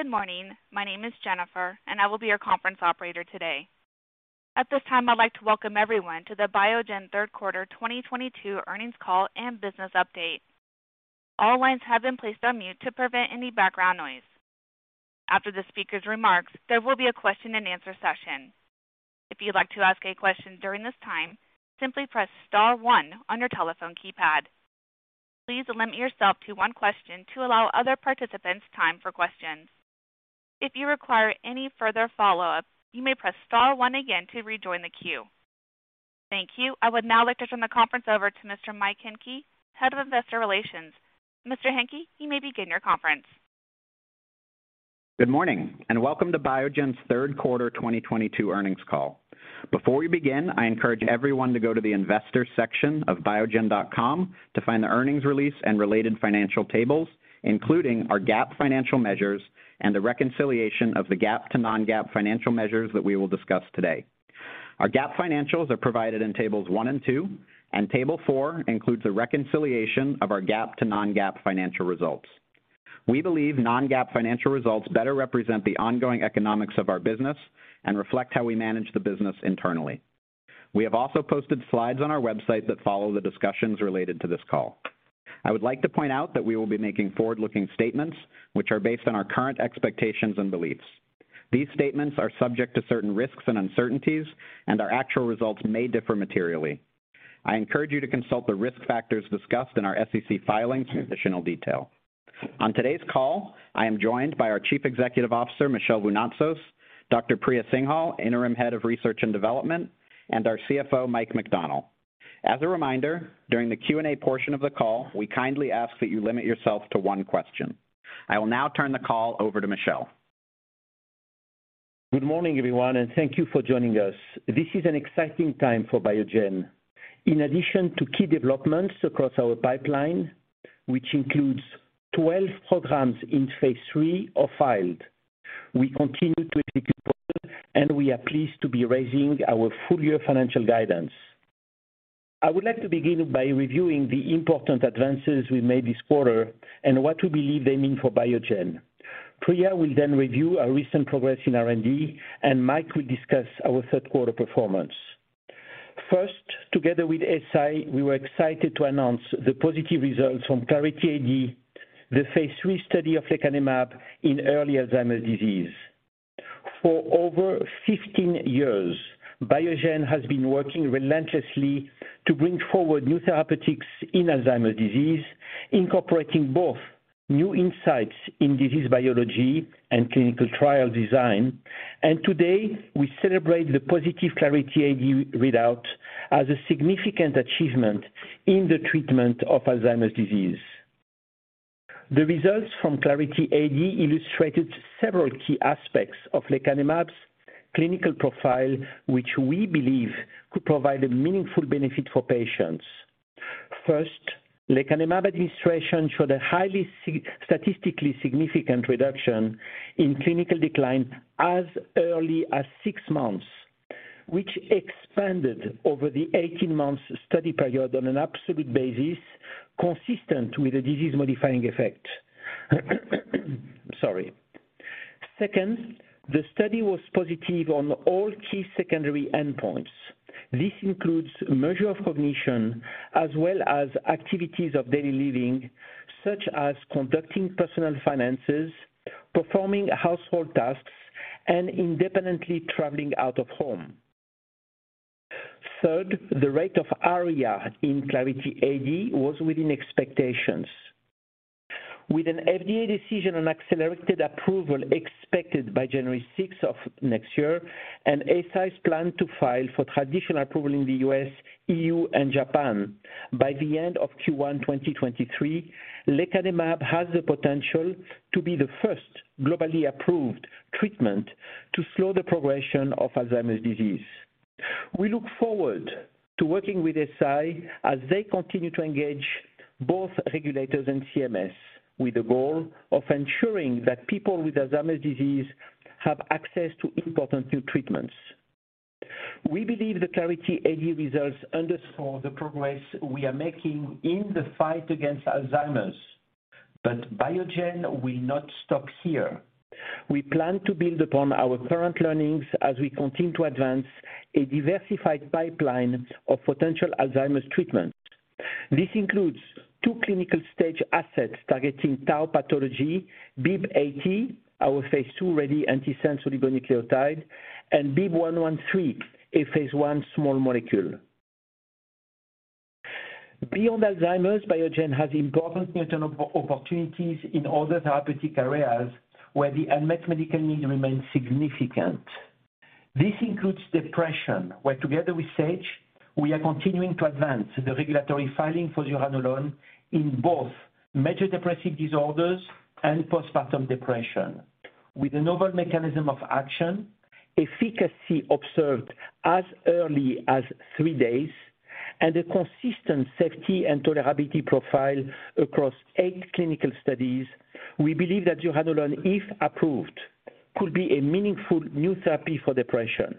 Good morning. My name is Jennifer, and I will be your conference operator today. At this time, I'd like to welcome everyone to the Biogen third quarter 2022 earnings call and business update. All lines have been placed on mute to prevent any background noise. After the speaker's remarks, there will be a question and answer session. If you'd like to ask a question during this time, simply press star one on your telephone keypad. Please limit yourself to one question to allow other participants time for questions. If you require any further follow-up, you may press star one again to rejoin the queue. Thank you. I would now like to turn the conference over to Mr. Mike Hencke, Head of Investor Relations. Mr. Hencke, you may begin your conference. Good morning, and welcome to Biogen's third quarter 2022 earnings call. Before we begin, I encourage everyone to go to the investor section of biogen.com to find the earnings release and related financial tables, including our GAAP financial measures and the reconciliation of the GAAP to non-GAAP financial measures that we will discuss today. Our GAAP financials are provided in tables one and two, and table four includes a reconciliation of our GAAP to non-GAAP financial results. We believe non-GAAP financial results better represent the ongoing economics of our business and reflect how we manage the business internally. We have also posted slides on our website that follow the discussions related to this call. I would like to point out that we will be making forward-looking statements which are based on our current expectations and beliefs. These statements are subject to certain risks and uncertainties, and our actual results may differ materially. I encourage you to consult the risk factors discussed in our SEC filings for additional detail. On today's call, I am joined by our Chief Executive Officer, Michel Vounatsos, Dr. Priya Singhal, Interim Head of Research and Development, and our CFO, Mike McDonnell. As a reminder, during the Q&A portion of the call, we kindly ask that you limit yourself to one question. I will now turn the call over to Michel. Good morning, everyone, and thank you for joining us. This is an exciting time for Biogen. In addition to key developments across our pipeline, which includes 12 programs in phase III or filed, we continue to execute, and we are pleased to be raising our full-year financial guidance. I would like to begin by reviewing the important advances we made this quarter and what we believe they mean for Biogen. Priya will then review our recent progress in R&D, and Mike will discuss our third quarter performance. First, together with Eisai, we were excited to announce the positive results from Clarity AD, the phase III study of lecanemab in early Alzheimer's disease. For over 15 years, Biogen has been working relentlessly to bring forward new therapeutics in Alzheimer's disease, incorporating both new insights in disease biology and clinical trial design. Today, we celebrate the positive Clarity AD readout as a significant achievement in the treatment of Alzheimer's disease. The results from Clarity AD illustrated several key aspects of lecanemab's clinical profile, which we believe could provide a meaningful benefit for patients. First, lecanemab administration showed a highly statistically significant reduction in clinical decline as early as six months, which expanded over the 18-month study period on an absolute basis, consistent with a disease-modifying effect. Second, the study was positive on all key secondary endpoints. This includes measure of cognition as well as activities of daily living, such as conducting personal finances, performing household tasks, and independently traveling out of home. Third, the rate of ARIA in Clarity AD was within expectations. With an FDA decision on accelerated approval expected by January 6th of next year and Eisai's plan to file for traditional approval in the U.S., E.U., and Japan by the end of Q1 2023, lecanemab has the potential to be the first globally approved treatment to slow the progression of Alzheimer's disease. We look forward to working with Eisai as they continue to engage both regulators and CMS with the goal of ensuring that people with Alzheimer's disease have access to important new treatments. We believe the Clarity AD results underscore the progress we are making in the fight against Alzheimer's, but Biogen will not stop here. We plan to build upon our current learnings as we continue to advance a diversified pipeline of potential Alzheimer's treatments. This includes two clinical-stage assets targeting tau pathology, BIIB080, our phase II-ready antisense oligonucleotide, and BIIB113, a phase I small molecule. Beyond Alzheimer's, Biogen has important opportunities in other therapeutic areas where the unmet medical need remains significant. This includes depression, where together with Sage, we are continuing to advance the regulatory filing for zuranolone in both major depressive disorders and postpartum depression. With a novel mechanism of action, efficacy observed as early as three days, and a consistent safety and tolerability profile across eight clinical studies, we believe that zuranolone, if approved, could be a meaningful new therapy for depression.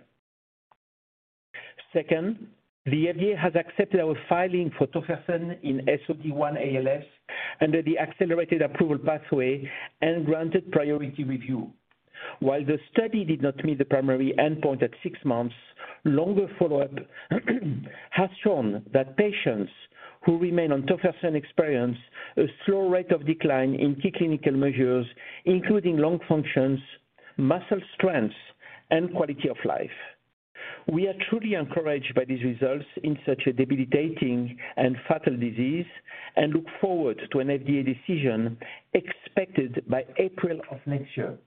Second, the FDA has accepted our filing for tofersen in SOD1 ALS under the accelerated approval pathway and granted priority review. While the study did not meet the primary endpoint at six months, longer follow-up has shown that patients who remain on tofersen experience a slow rate of decline in key clinical measures, including lung functions, muscle strength, and quality of life. We are truly encouraged by these results in such a debilitating and fatal disease and look forward to an FDA decision expected by April of next year.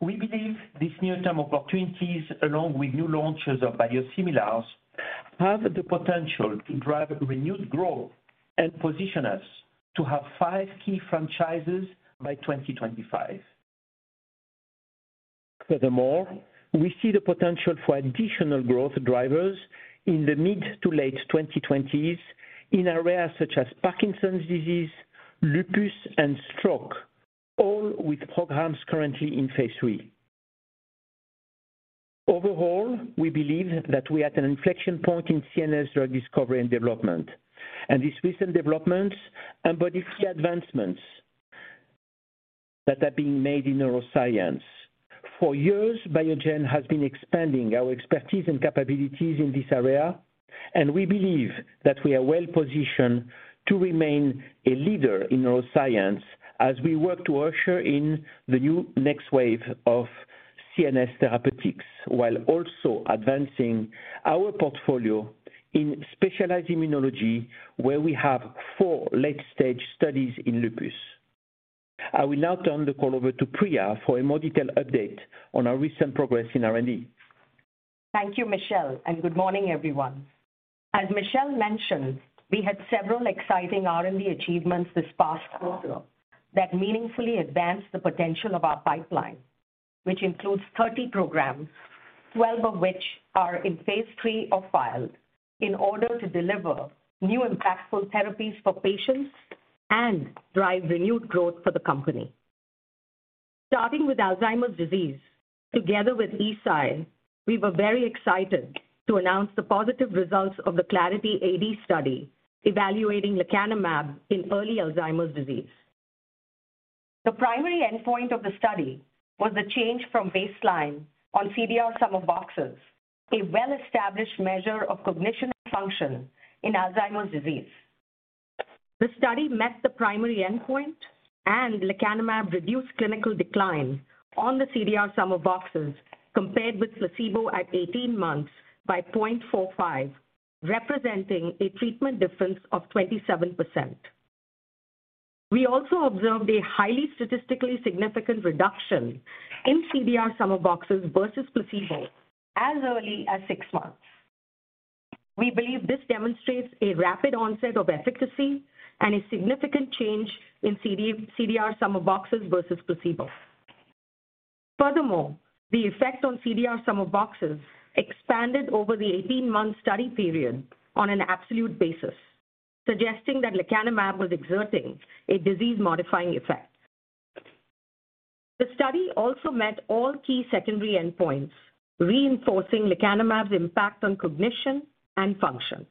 We believe these near-term opportunities, along with new launches of biosimilars, have the potential to drive renewed growth and position us to have five key franchises by 2025. Furthermore, we see the potential for additional growth drivers in the mid to late 2020s in areas such as Parkinson's disease, lupus, and stroke, all with programs currently in phase III. Overall, we believe that we are at an inflection point in CNS drug discovery and development, and these recent developments embody key advancements that are being made in neuroscience. For years, Biogen has been expanding our expertise and capabilities in this area, and we believe that we are well-positioned to remain a leader in neuroscience as we work to usher in the new next wave of CNS therapeutics, while also advancing our portfolio in specialized immunology, where we have four late-stage studies in lupus. I will now turn the call over to Priya for a more detailed update on our recent progress in R&D. Thank you, Michel, and good morning, everyone. As Michel mentioned, we had several exciting R&D achievements this past quarter that meaningfully advanced the potential of our pipeline, which includes 30 programs, 12 of which are in phase III or filed in order to deliver new impactful therapies for patients and drive renewed growth for the company. Starting with Alzheimer's disease, together with Eisai, we were very excited to announce the positive results of the Clarity AD study evaluating lecanemab in early Alzheimer's disease. The primary endpoint of the study was the change from baseline on CDR Sum of Boxes, a well-established measure of cognition and function in Alzheimer's disease. The study met the primary endpoint, and lecanemab reduced clinical decline on the CDR Sum of Boxes compared with placebo at 18 months by 0.45, representing a treatment difference of 27%. We also observed a highly statistically significant reduction in CDR Sum of Boxes versus placebo as early as six months. We believe this demonstrates a rapid onset of efficacy and a significant change in CDR Sum of Boxes versus placebo. Furthermore, the effect on CDR Sum of Boxes expanded over the 18-month study period on an absolute basis, suggesting that lecanemab was exerting a disease-modifying effect. The study also met all key secondary endpoints, reinforcing lecanemab's impact on cognition and function.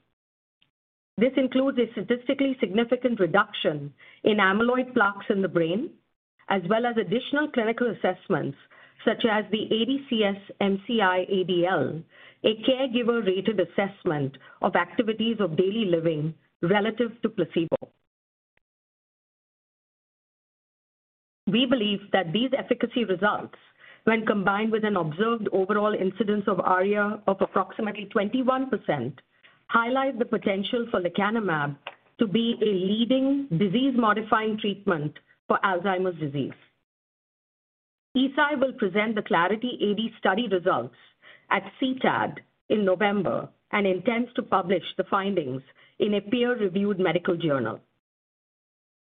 This includes a statistically significant reduction in amyloid plaques in the brain, as well as additional clinical assessments such as the ADCS-MCI-ADL, a caregiver-rated assessment of activities of daily living relative to placebo. We believe that these efficacy results, when combined with an observed overall incidence of ARIA of approximately 21%, highlight the potential for lecanemab to be a leading disease-modifying treatment for Alzheimer's disease. Eisai will present the Clarity AD study results at CTAD in November and intends to publish the findings in a peer-reviewed medical journal.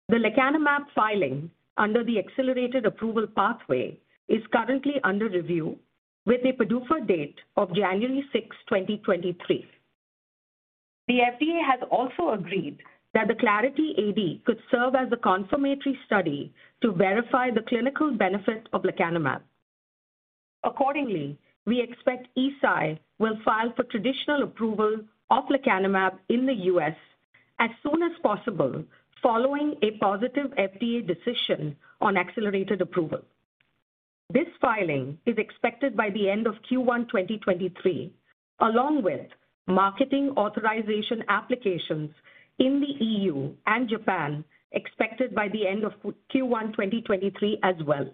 The lecanemab filing under the accelerated approval pathway is currently under review with a PDUFA date of January 6th, 2023. The FDA has also agreed that the Clarity AD could serve as a confirmatory study to verify the clinical benefit of lecanemab. Accordingly, we expect Eisai will file for traditional approval of lecanemab in the U.S. as soon as possible following a positive FDA decision on accelerated approval. This filing is expected by the end of Q1 2023, along with marketing authorization applications in the E.U. and Japan expected by the end of Q1 2023 as well.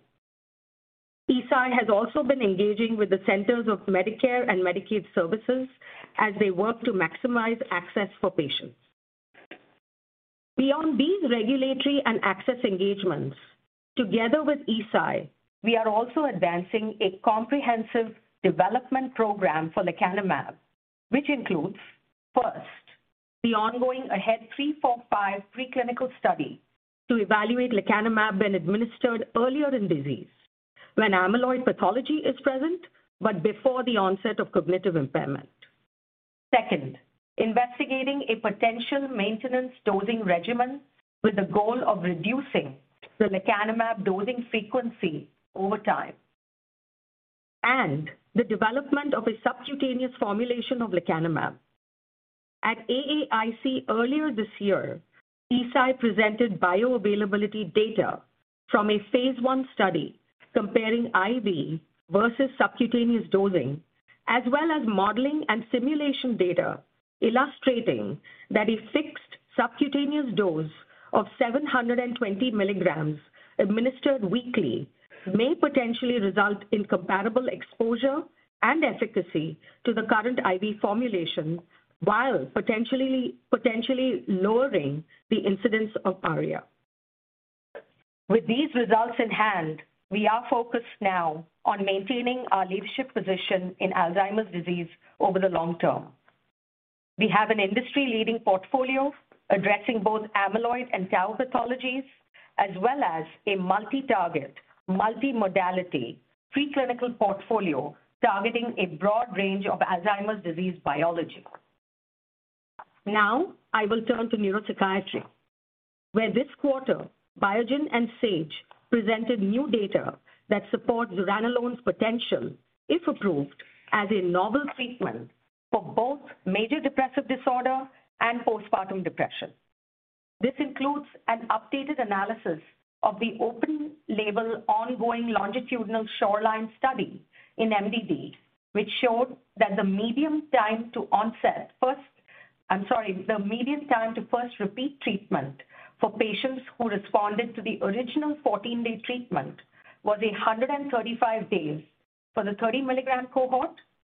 Eisai has also been engaging with the Centers for Medicare & Medicaid Services as they work to maximize access for patients. Beyond these regulatory and access engagements, together with Eisai, we are also advancing a comprehensive development program for lecanemab, which includes, first, the ongoing AHEAD 3-45 preclinical study to evaluate lecanemab when administered earlier in disease when amyloid pathology is present but before the onset of cognitive impairment. Second, investigating a potential maintenance dosing regimen with the goal of reducing the lecanemab dosing frequency over time. The development of a subcutaneous formulation of lecanemab. At AAIC earlier this year, Eisai presented bioavailability data from a phase I study comparing IV versus subcutaneous dosing, as well as modeling and simulation data illustrating that a fixed subcutaneous dose of 720 mg administered weekly may potentially result in comparable exposure and efficacy to the current IV formulation while potentially lowering the incidence of ARIA. With these results in hand, we are focused now on maintaining our leadership position in Alzheimer's disease over the long term. We have an industry-leading portfolio addressing both amyloid and tau pathologies as well as a multi-target, multi-modality preclinical portfolio targeting a broad range of Alzheimer's disease biology. Now, I will turn to neuropsychiatry, where this quarter Biogen and Sage presented new data that supports zuranolone's potential, if approved, as a novel treatment for both major depressive disorder and postpartum depression. This includes an updated analysis of the open-label, ongoing longitudinal SHORELINE study in MDD, which showed that the median time to first repeat treatment for patients who responded to the original 14-day treatment was 135 days for the 30 mg cohort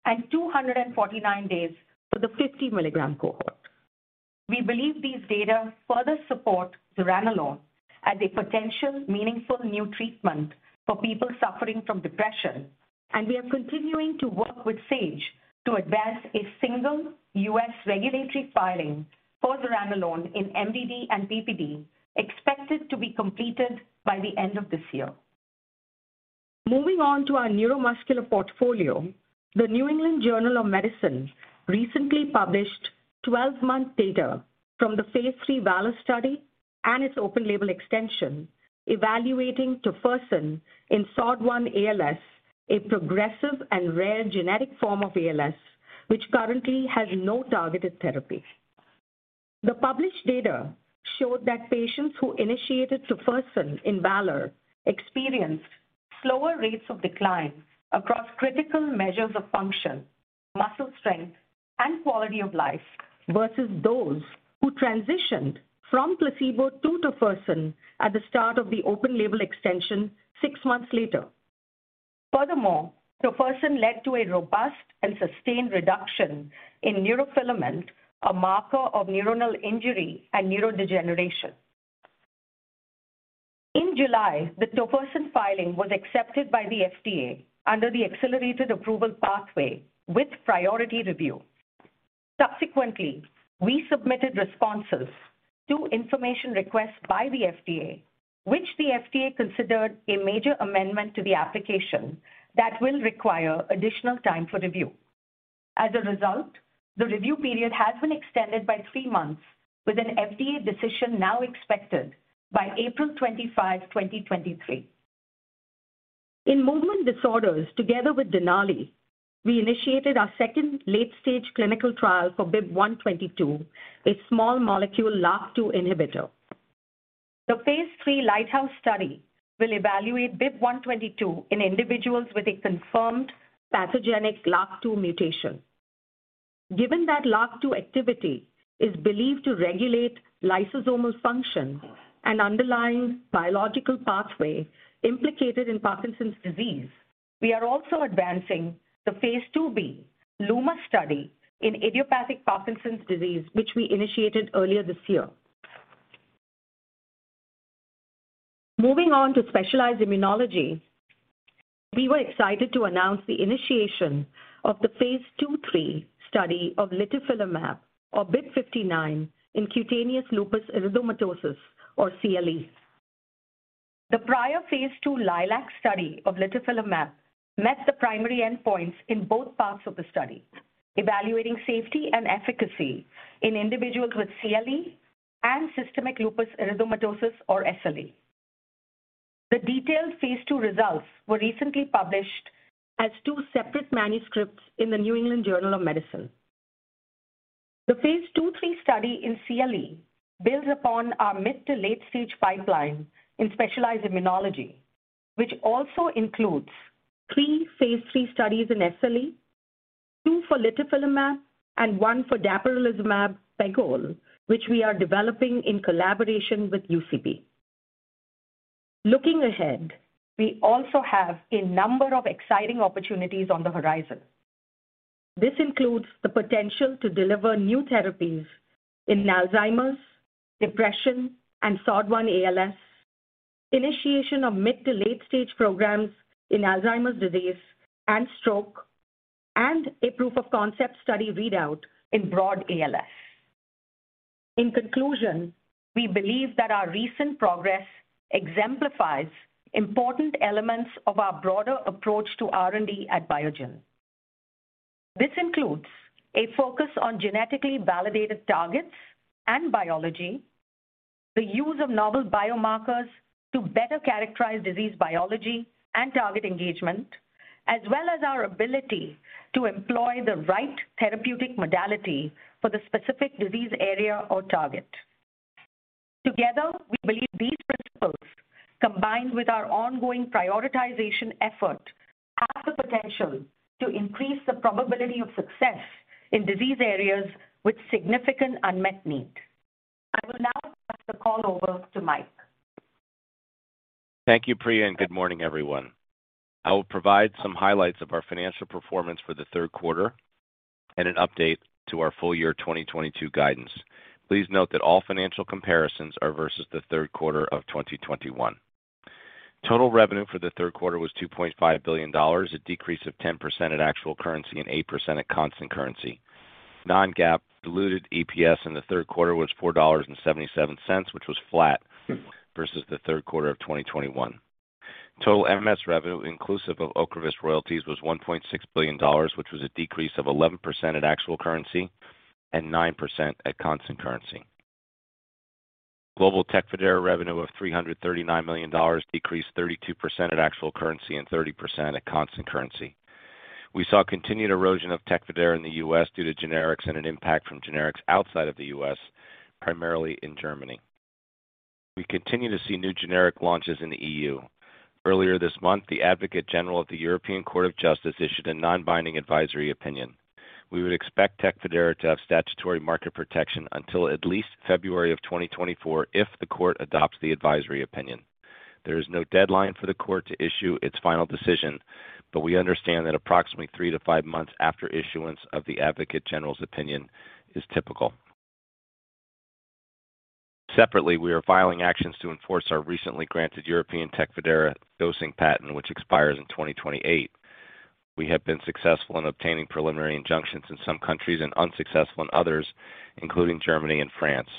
and 249 days for the 50 mg cohort. We believe these data further support zuranolone as a potential meaningful new treatment for people suffering from depression, and we are continuing to work with Sage to advance a single U.S. regulatory filing for zuranolone in MDD and PPD, expected to be completed by the end of this year. Moving on to our neuromuscular portfolio. The New England Journal of Medicine recently published 12-month data from the phase III VALOR study and its open-label extension evaluating tofersen in SOD1 ALS, a progressive and rare genetic form of ALS which currently has no targeted therapy. The published data showed that patients who initiated tofersen in VALOR experienced slower rates of decline across critical measures of function, muscle strength, and quality of life versus those who transitioned from placebo to tofersen at the start of the open-label extension six months later. Furthermore, tofersen led to a robust and sustained reduction in neurofilament, a marker of neuronal injury and neurodegeneration. In July, the tofersen filing was accepted by the FDA under the accelerated approval pathway with priority review. Subsequently, we submitted responses to information requests by the FDA, which the FDA considered a major amendment to the application that will require additional time for review. As a result, the review period has been extended by three months with an FDA decision now expected by April 25, 2023. In movement disorders, together with Denali, we initiated our second late-stage clinical trial for BIIB122, a small molecule LRRK2 inhibitor. The phase III LIGHTHOUSE study will evaluate BIIB122 in individuals with a confirmed pathogenic LRRK2 mutation. Given that LRRK2 activity is believed to regulate lysosomal function, an underlying biological pathway implicated in Parkinson's disease, we are also advancing the phase IIb LUMA study in idiopathic Parkinson's disease, which we initiated earlier this year. Moving on to specialized immunology. We were excited to announce the initiation of the phase II/III study of litifilimab or BIIB059 in cutaneous lupus erythematosus or CLE. The prior phase II LILAC study of litifilimab met the primary endpoints in both parts of the study, evaluating safety and efficacy in individuals with CLE and systemic lupus erythematosus or SLE. The detailed phase II results were recently published as two separate manuscripts in The New England Journal of Medicine. The phase II/III study in CLE builds upon our mid to late-stage pipeline in specialized immunology, which also includes three phase III studies in SLE, two for litifilimab, and one for dapirolizumab pegol, which we are developing in collaboration with UCB. Looking ahead, we also have a number of exciting opportunities on the horizon. This includes the potential to deliver new therapies in Alzheimer's, depression, and SOD1 ALS, initiation of mid- to late-stage programs in Alzheimer's disease and stroke, and a proof-of-concept study readout in broad ALS. In conclusion, we believe that our recent progress exemplifies important elements of our broader approach to R&D at Biogen. This includes a focus on genetically validated targets and biology, the use of novel biomarkers to better characterize disease biology and target engagement, as well as our ability to employ the right therapeutic modality for the specific disease area or target. Together, we believe these principles, combined with our ongoing prioritization effort, have the potential to increase the probability of success in disease areas with significant unmet need. I will now pass the call over to Mike. Thank you, Priya, and good morning, everyone. I will provide some highlights of our financial performance for the third quarter and an update to our full year 2022 guidance. Please note that all financial comparisons are versus the third quarter of 2021. Total revenue for the third quarter was $2.5 billion, a decrease of 10% at actual currency and 8% at constant currency. Non-GAAP diluted EPS in the third quarter was $4.77, which was flat versus the third quarter of 2021. Total MS revenue, inclusive of OCREVUS royalties, was $1.6 billion, which was a decrease of 11% at actual currency and 9% at constant currency. Global TECFIDERA revenue of $339 million decreased 32% at actual currency and 30% at constant currency. We saw continued erosion of TECFIDERA in the U.S. due to generics and an impact from generics outside of the U.S., primarily in Germany. We continue to see new generic launches in the E.U. Earlier this month, the Advocate General of the European Court of Justice issued a non-binding advisory opinion. We will expect TECFIDERA to have statutory market protection until at least February 2024 if the court adopts the advisory opinion. There is no deadline for the court to issue its final decision, but we understand that approximately three-five months after issuance of the Advocate General's opinion is typical. Separately, we are filing actions to enforce our recently granted European TECFIDERA dosing patent, which expires in 2028. We have been successful in obtaining preliminary injunctions in some countries and unsuccessful in others, including Germany and France.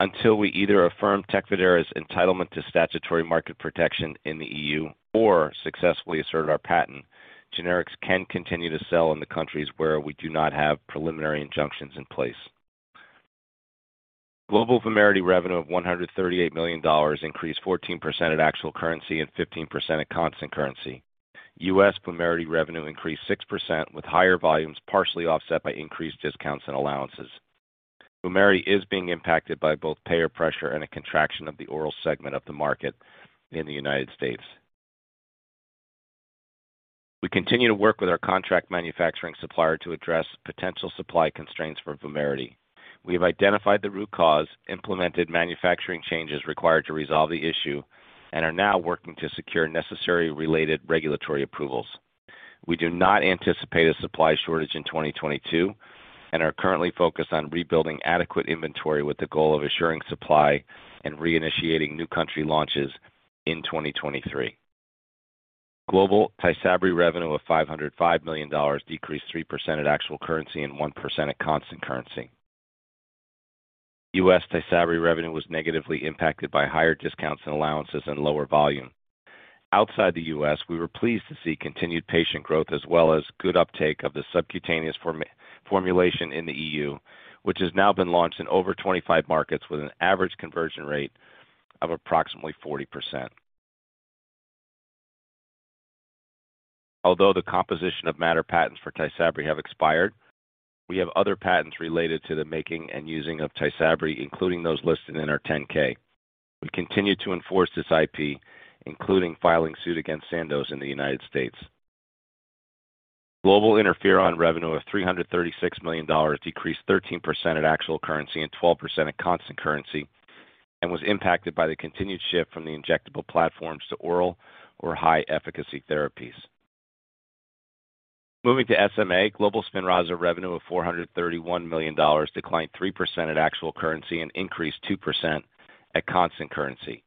Until we either affirm TECFIDERA's entitlement to statutory market protection in the E.U. or successfully assert our patent, generics can continue to sell in the countries where we do not have preliminary injunctions in place. Global VUMERITY revenue of $138 million increased 14% at actual currency and 15% at constant currency. U.S. VUMERITY revenue increased 6%, with higher volumes partially offset by increased discounts and allowances. VUMERITY is being impacted by both payer pressure and a contraction of the oral segment of the market in the United States. We continue to work with our contract manufacturing supplier to address potential supply constraints for VUMERITY. We have identified the root cause, implemented manufacturing changes required to resolve the issue, and are now working to secure necessary related regulatory approvals. We do not anticipate a supply shortage in 2022 and are currently focused on rebuilding adequate inventory with the goal of assuring supply and reinitiating new country launches in 2023. Global TYSABRI revenue of $505 million decreased 3% at actual currency and 1% at constant currency. U.S. TYSABRI revenue was negatively impacted by higher discounts and allowances and lower volume. Outside the U.S., we were pleased to see continued patient growth as well as good uptake of the subcutaneous formulation in the E.U., which has now been launched in over 25 markets with an average conversion rate of approximately 40%. Although the composition of matter patents for TYSABRI have expired, we have other patents related to the making and using of TYSABRI, including those listed in our 10-K. We continue to enforce this IP, including filing suit against Sandoz in the United States. Global interferon revenue of $336 million decreased 13% at actual currency and 12% at constant currency and was impacted by the continued shift from the injectable platforms to oral or high-efficacy therapies. Moving to SMA, global SPINRAZA revenue of $431 million declined 3% at actual currency and increased 2% at constant currency.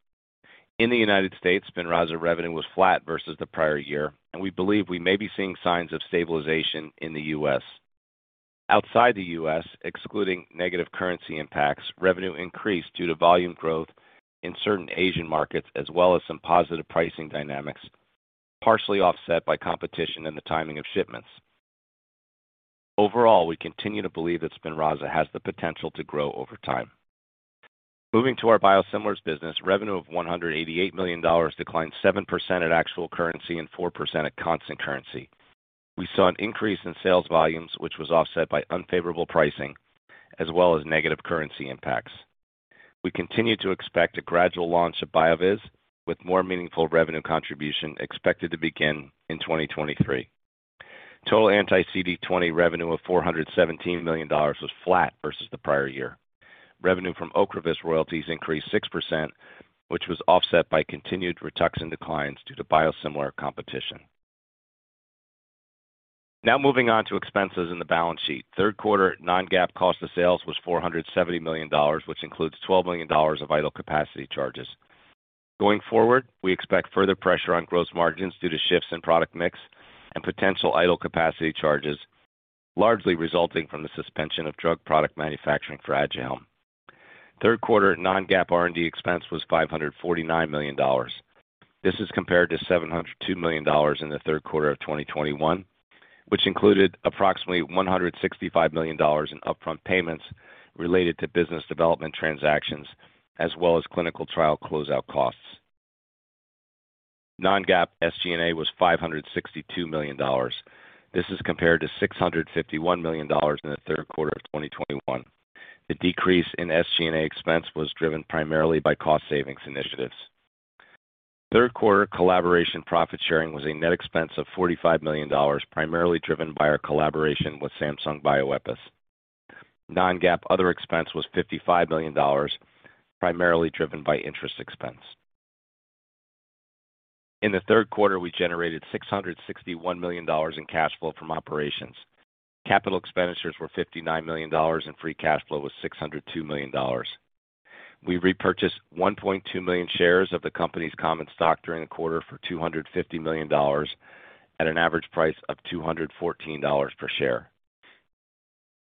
In the United States, SPINRAZA revenue was flat versus the prior year, and we believe we may be seeing signs of stabilization in the U.S. Outside the U.S., excluding negative currency impacts, revenue increased due to volume growth in certain Asian markets as well as some positive pricing dynamics, partially offset by competition and the timing of shipments. Overall, we continue to believe that SPINRAZA has the potential to grow over time. Moving to our biosimilars business, revenue of $188 million declined 7% at actual currency and 4% at constant currency. We saw an increase in sales volumes, which was offset by unfavorable pricing as well as negative currency impacts. We continue to expect a gradual launch of BYOOVIZ, with more meaningful revenue contribution expected to begin in 2023. Total anti-CD20 revenue of $417 million was flat versus the prior year. Revenue from OCREVUS royalties increased 6%, which was offset by continued RITUXAN declines due to biosimilar competition. Now moving on to expenses in the balance sheet. Third quarter non-GAAP cost of sales was $470 million, which includes $12 million of idle capacity charges. Going forward, we expect further pressure on gross margins due to shifts in product mix and potential idle capacity charges, largely resulting from the suspension of drug product manufacturing for ADUHELM. Third quarter non-GAAP R&D expense was $549 million. This is compared to $702 million in the third quarter of 2021, which included approximately $165 million in upfront payments related to business development transactions, as well as clinical trial closeout costs. Non-GAAP SG&A was $562 million. This is compared to $651 million in the third quarter of 2021. The decrease in SG&A expense was driven primarily by cost savings initiatives. Third quarter collaboration profit sharing was a net expense of $45 million, primarily driven by our collaboration with Samsung Bioepis. Non-GAAP other expense was $55 million, primarily driven by interest expense. In the third quarter, we generated $661 million in cash flow from operations. Capital expenditures were $59 million and free cash flow was $602 million. We repurchased 1.2 million shares of the company's common stock during the quarter for $250 million at an average price of $214 per share.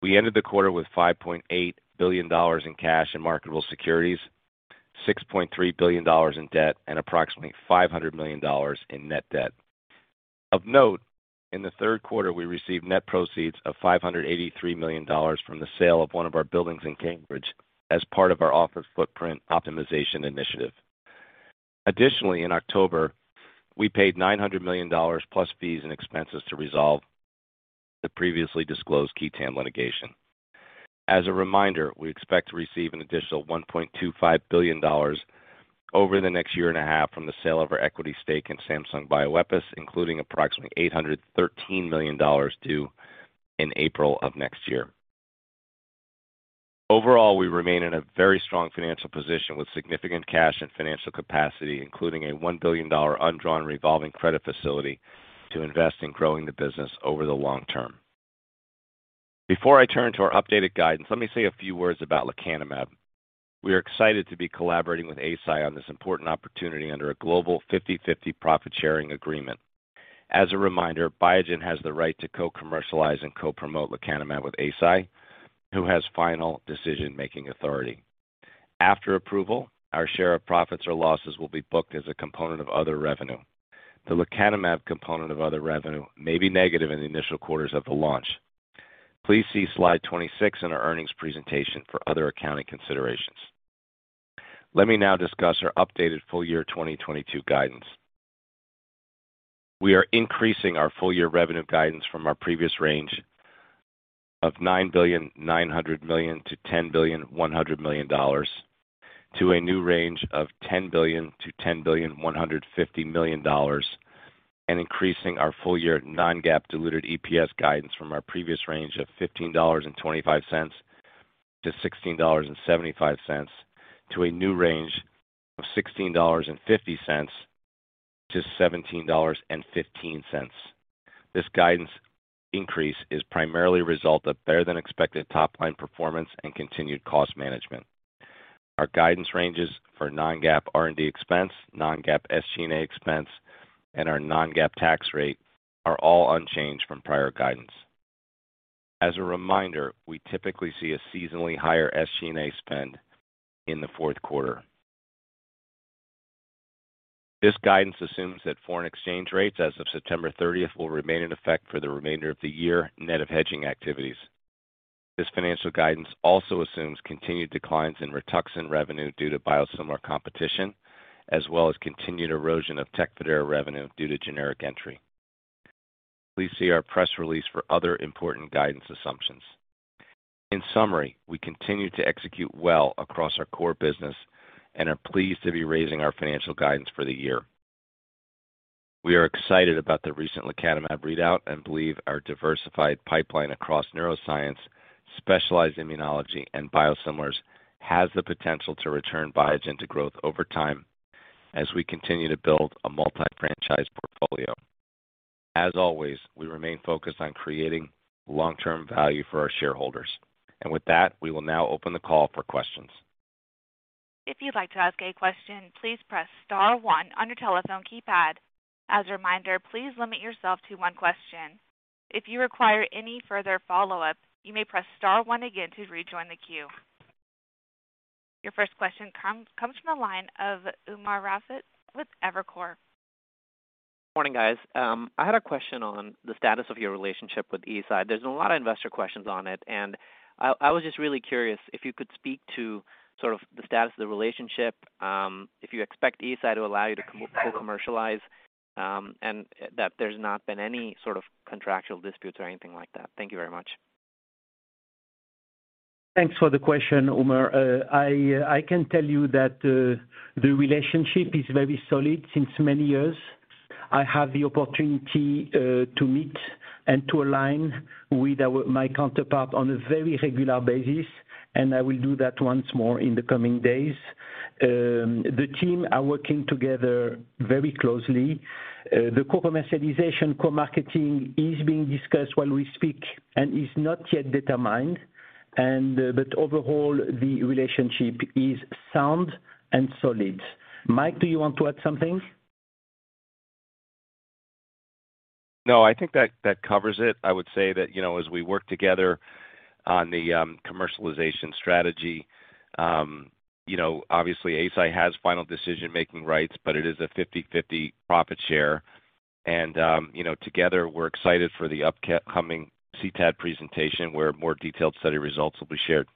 We ended the quarter with $5.8 billion in cash and marketable securities, $6.3 billion in debt, and approximately $500 million in net debt. Of note, in the third quarter, we received net proceeds of $583 million from the sale of one of our buildings in Cambridge as part of our office footprint optimization initiative. Additionally, in October, we paid $900 million plus fees and expenses to resolve the previously disclosed Qui Tam litigation. As a reminder, we expect to receive an additional $1.25 billion over the next year and a half from the sale of our equity stake in Samsung Bioepis, including approximately $813 million due in April of next year. Overall, we remain in a very strong financial position with significant cash and financial capacity, including a $1 billion undrawn revolving credit facility to invest in growing the business over the long term. Before I turn to our updated guidance, let me say a few words about lecanemab. We are excited to be collaborating with Eisai on this important opportunity under a global 50/50 profit sharing agreement. As a reminder, Biogen has the right to co-commercialize and co-promote lecanemab with Eisai, who has final decision-making authority. After approval, our share of profits or losses will be booked as a component of other revenue. The lecanemab component of other revenue may be negative in the initial quarters of the launch. Please see slide 26 in our earnings presentation for other accounting considerations. Let me now discuss our updated full year 2022 guidance. We are increasing our full year revenue guidance from our previous range of $9.9 billion-$10.1 billion to a new range of $10 billion-$10.15 billion. Increasing our full year non-GAAP diluted EPS guidance from our previous range of $15.25-$16.75 to a new range of $16.50-$17.15. This guidance increase is primarily a result of better than expected top line performance and continued cost management. Our guidance ranges for non-GAAP R&D expense, non-GAAP SG&A expense, and our non-GAAP tax rate are all unchanged from prior guidance. As a reminder, we typically see a seasonally higher SG&A spend in the fourth quarter. This guidance assumes that foreign exchange rates as of September 30th will remain in effect for the remainder of the year net of hedging activities. This financial guidance also assumes continued declines in RITUXAN revenue due to biosimilar competition, as well as continued erosion of TECFIDERA revenue due to generic entry. Please see our press release for other important guidance assumptions. In summary, we continue to execute well across our core business and are pleased to be raising our financial guidance for the year. We are excited about the recent lecanemab readout and believe our diversified pipeline across neuroscience, specialized immunology, and biosimilars has the potential to return Biogen to growth over time as we continue to build a multi-franchise portfolio. As always, we remain focused on creating long-term value for our shareholders. With that, we will now open the call for questions. If you'd like to ask a question, please press star one on your telephone keypad. As a reminder, please limit yourself to one question. If you require any further follow-up, you may press star one again to rejoin the queue. Your first question comes from the line of Umer Raffat with Evercore. Morning, guys. I had a question on the status of your relationship with Eisai. There's a lot of investor questions on it, and I was just really curious if you could speak to sort of the status of the relationship, if you expect Eisai to allow you to co-commercialize, and that there's not been any sort of contractual disputes or anything like that. Thank you very much. Thanks for the question, Umer. I can tell you that the relationship is very solid since many years. I have the opportunity to meet and to align with my counterpart on a very regular basis, and I will do that once more in the coming days. The team are working together very closely. The co-commercialization, co-marketing is being discussed while we speak and is not yet determined. But overall, the relationship is sound and solid. Mike, do you want to add something? No, I think that covers it. I would say that, you know, as we work together on the commercialization strategy, you know, obviously, Eisai has final decision-making rights, but it is a 50/50 profit share and, you know, together we're excited for the upcoming CTAD presentation where more detailed study results will be shared.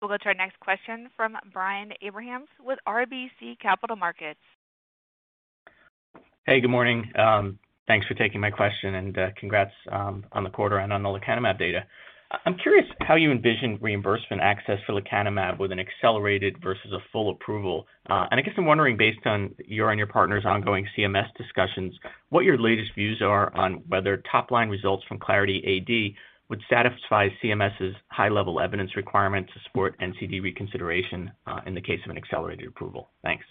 We'll go to our next question from Brian Abrahams with RBC Capital Markets. Hey, good morning. Thanks for taking my question and, congrats, on the quarter and on lecanemab data. I'm curious how you envision reimbursement access for lecanemab with an accelerated versus a full approval. I guess I'm wondering, based on your and your partner's ongoing CMS discussions, what your latest views are on whether top-line results from Clarity AD would satisfy CMS' high-level evidence requirement to support NCD reconsideration, in the case of an accelerated approval. Thanks.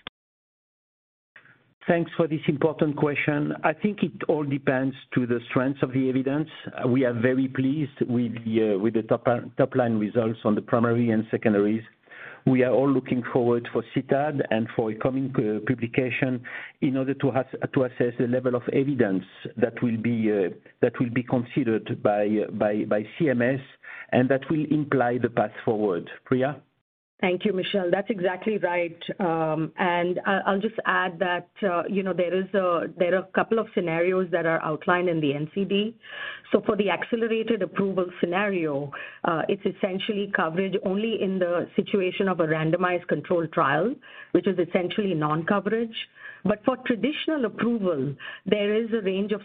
Thanks for this important question. I think it all depends to the strength of the evidence. We are very pleased with the top-line results on the primary and secondaries. We are all looking forward for CTAD and for a coming publication in order to assess the level of evidence that will be considered by CMS and that will imply the path forward. Priya? Thank you, Michel. That's exactly right. I'll just add that, you know, there are a couple of scenarios that are outlined in the NCD. For the accelerated approval scenario, it's essentially coverage only in the situation of a randomized controlled trial, which is essentially non-coverage. For traditional approval, there is a range of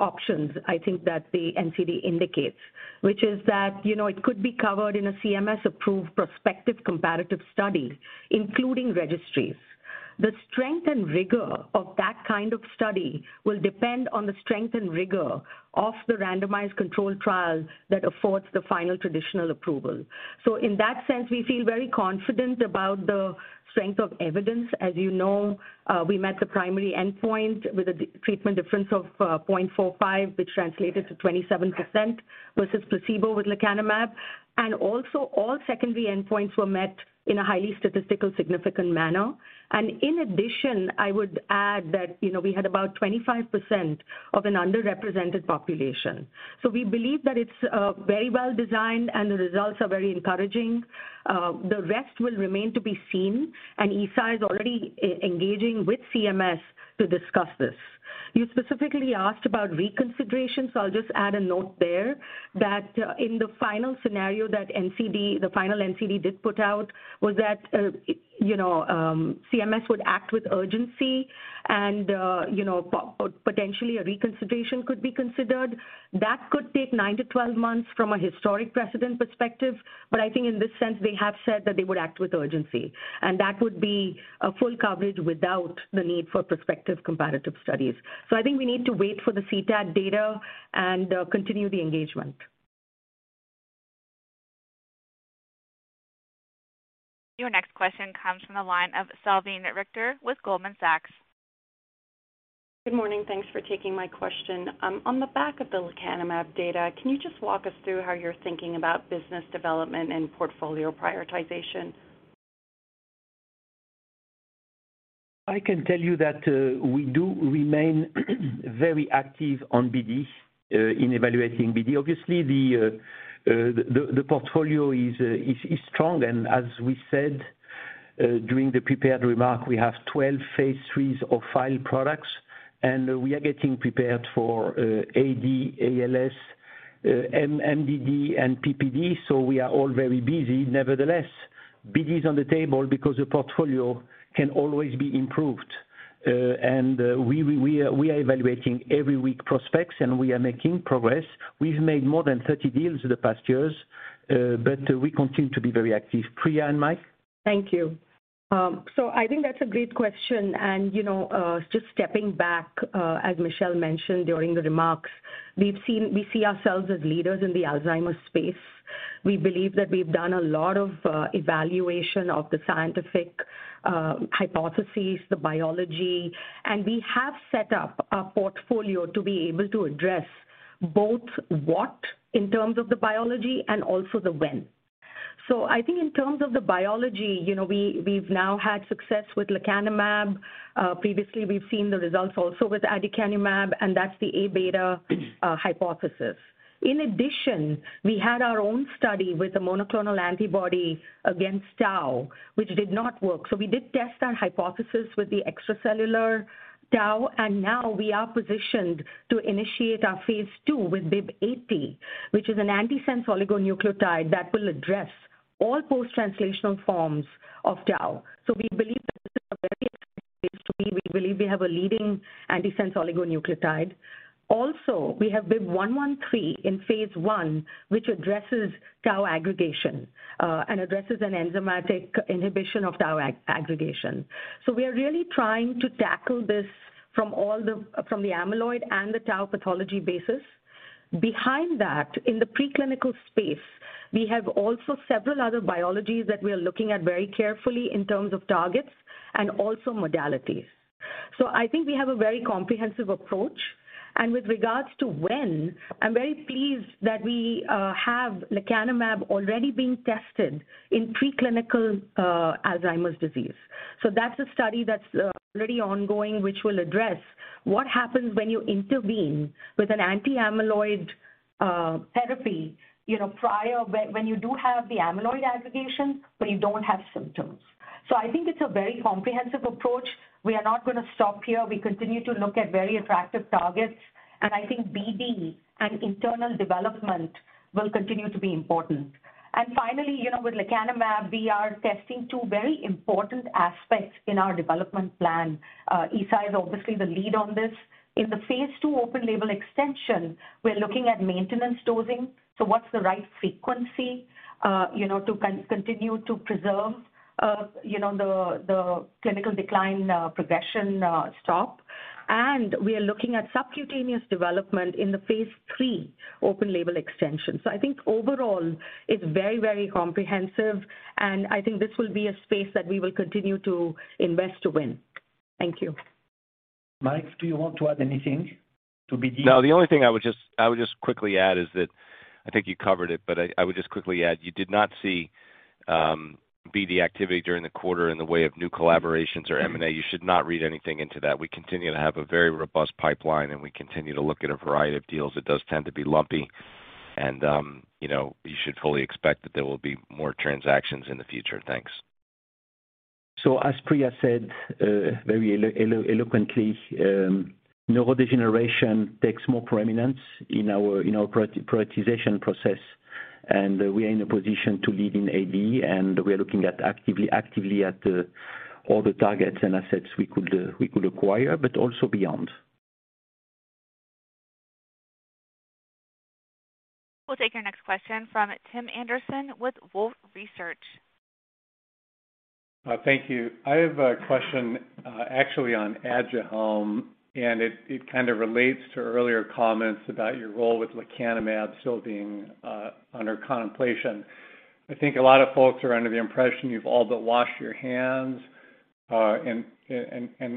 options, I think that the NCD indicates, which is that, you know, it could be covered in a CMS-approved prospective comparative study, including registries. The strength and rigor of that kind of study will depend on the strength and rigor of the randomized controlled trial that affords the final traditional approval. In that sense, we feel very confident about the strength of evidence. As you know, we met the primary endpoint with a treatment difference of 0.45, which translated to 27% versus placebo with lecanemab. All secondary endpoints were met in a highly statistically significant manner. In addition, I would add that, you know, we had about 25% of an underrepresented population. We believe that it's very well-designed, and the results are very encouraging. The rest will remain to be seen, and Eisai is already engaging with CMS to discuss this. You specifically asked about reconsideration, so I'll just add a note there that in the final scenario that NCD, the final NCD did put out was that, you know, CMS would act with urgency and, you know, potentially a reconsideration could be considered. That could take nine-12 months from a historic precedent perspective. I think in this sense, they have said that they would act with urgency, and that would be a full coverage without the need for prospective comparative studies. I think we need to wait for the CTAD data and continue the engagement. Your next question comes from the line of Salveen Richter with Goldman Sachs. Good morning. Thanks for taking my question. On the back of the lecanemab data, can you just walk us through how you're thinking about business development and portfolio prioritization? I can tell you that we do remain very active on BD in evaluating BD. Obviously, the portfolio is strong. As we said during the prepared remarks, we have 12 phase IIIs or filed products, and we are getting prepared for AD, ALS, MDD, and PPD. We are all very busy. Nevertheless, BD is on the table because the portfolio can always be improved. We are evaluating every week prospects, and we are making progress. We've made more than 30 deals in the past years, but we continue to be very active. Priya and Mike? Thank you. I think that's a great question. You know, just stepping back, as Michel mentioned during the remarks, we see ourselves as leaders in the Alzheimer's space. We believe that we've done a lot of evaluation of the scientific hypotheses, the biology. We have set up a portfolio to be able to address both what in terms of the biology and also the when. I think in terms of the biology, you know, we've now had success with lecanemab. Previously, we've seen the results also with aducanumab, and that's the Aβ hypothesis. In addition, we had our own study with a monoclonal antibody against tau, which did not work. We did test our hypothesis with the extracellular tau, and now we are positioned to initiate our phase II with BIIB080, which is an antisense oligonucleotide that will address all post-translational forms of tau. We believe that we have a leading antisense oligonucleotide. Also, we have BIIB113 in phase I, which addresses tau aggregation, and addresses an enzymatic inhibition of tau aggregation. We are really trying to tackle this from the amyloid and the tau pathology basis. Behind that, in the preclinical space, we have also several other biologics that we are looking at very carefully in terms of targets and also modalities. I think we have a very comprehensive approach. With regards to when, I'm very pleased that we have lecanemab already being tested in preclinical Alzheimer's disease. That's a study that's already ongoing, which will address what happens when you intervene with an anti-amyloid therapy, you know, prior to when you do have the amyloid aggregation, but you don't have symptoms. I think it's a very comprehensive approach. We are not gonna stop here. We continue to look at very attractive targets, and I think BD and internal development will continue to be important. Finally, you know, with lecanemab, we are testing two very important aspects in our development plan. Eisai is obviously the lead on this. In the phase II open label extension, we're looking at maintenance dosing, so what's the right frequency, you know, to continue to preserve the clinical benefit and stop the progression. We are looking at subcutaneous development in the phase III open label extension. I think overall it's very, very comprehensive, and I think this will be a space that we will continue to invest to win. Thank you. Mike, do you want to add anything to BD? No. The only thing I would just quickly add is that I think you covered it, but you did not see BD activity during the quarter in the way of new collaborations or M&A. You should not read anything into that. We continue to have a very robust pipeline, and we continue to look at a variety of deals. It does tend to be lumpy, and you know, you should fully expect that there will be more transactions in the future. Thanks. As Priya said, very eloquently, neurodegeneration takes more prominence in our prioritization process, and we are in a position to lead in AD, and we are looking actively at all the targets and assets we could acquire, but also beyond. We'll take our next question from Tim Anderson with Wolfe Research. Thank you. I have a question, actually on ADUHELM, and it kind of relates to earlier comments about your role with lecanemab still being under contemplation. I think a lot of folks are under the impression you've all but washed your hands and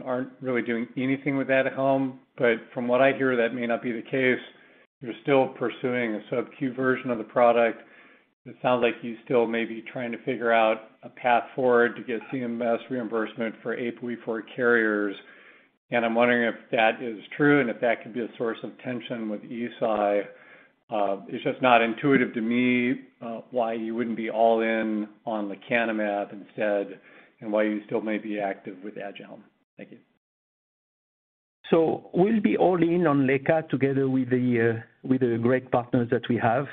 aren't really doing anything with ADUHELM. From what I hear, that may not be the case. You're still pursuing a Sub-Q version of the product. It sounds like you still may be trying to figure out a path forward to get CMS reimbursement for ApoE4 carriers. I'm wondering if that is true and if that could be a source of tension with Eisai. It's just not intuitive to me why you wouldn't be all in on lecanemab instead and why you still may be active with ADUHELM. Thank you. We'll be all in on lecanemab together with the great partners that we have,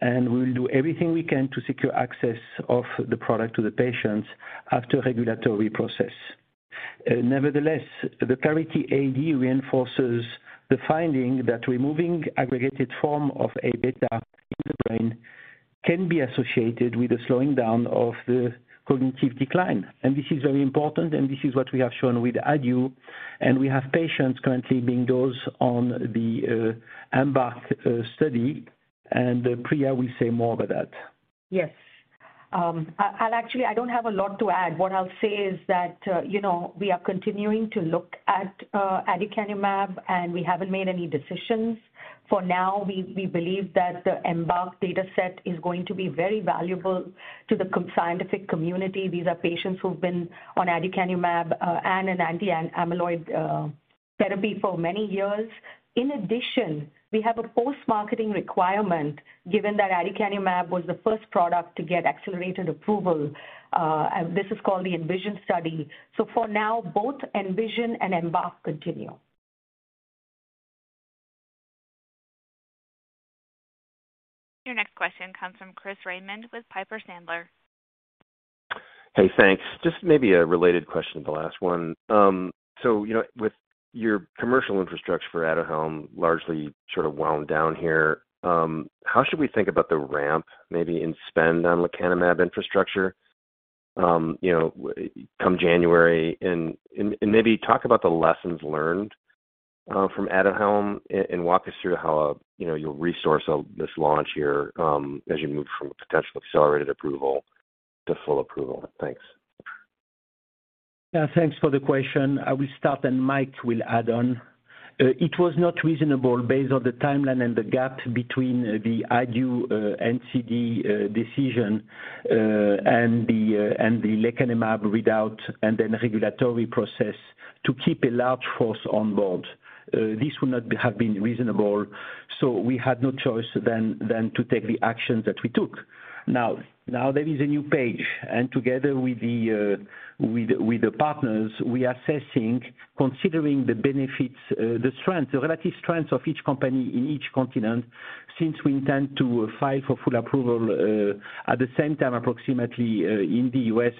and we will do everything we can to secure access of the product to the patients after regulatory process. Nevertheless, the Clarity AD reinforces the finding that removing aggregated form of Aβ in the brain can be associated with a slowing down of the cognitive decline. This is very important, and this is what we have shown with ADUHELM, and we have patients currently being dosed on the EMBARK study. Priya will say more about that. Yes. I'll actually. I don't have a lot to add. What I'll say is that, you know, we are continuing to look at aducanumab, and we haven't made any decisions. For now, we believe that the EMBARK data set is going to be very valuable to the consensus scientific community. These are patients who've been on aducanumab and an anti-amyloid therapy for many years. In addition, we have a post-marketing requirement given that aducanumab was the first product to get accelerated approval, and this is called the ENVISION study. For now, both ENVISION and EMBARK continue. Your next question comes from Chris Raymond with Piper Sandler. Hey, thanks. Just maybe a related question to the last one. So, you know, with your commercial infrastructure for ADUHELM largely sort of wound down here, how should we think about the ramp maybe in spend on lecanemab infrastructure, you know, come January? And maybe talk about the lessons learned from ADUHELM and walk us through how, you know, you'll resource this launch here, as you move from a potential accelerated approval to full approval. Thanks. Yeah. Thanks for the question. I will start, and Mike will add on. It was not reasonable based on the timeline and the gap between the ADUHELM NCD decision and the lecanemab readout and then regulatory process to keep a large force on board. This would not be, have been reasonable, so we had no choice than to take the actions that we took. Now there is a new page, and together with the partners, we are assessing, considering the benefits, the strength, the relative strengths of each company in each continent since we intend to file for full approval at the same time, approximately, in the U.S.,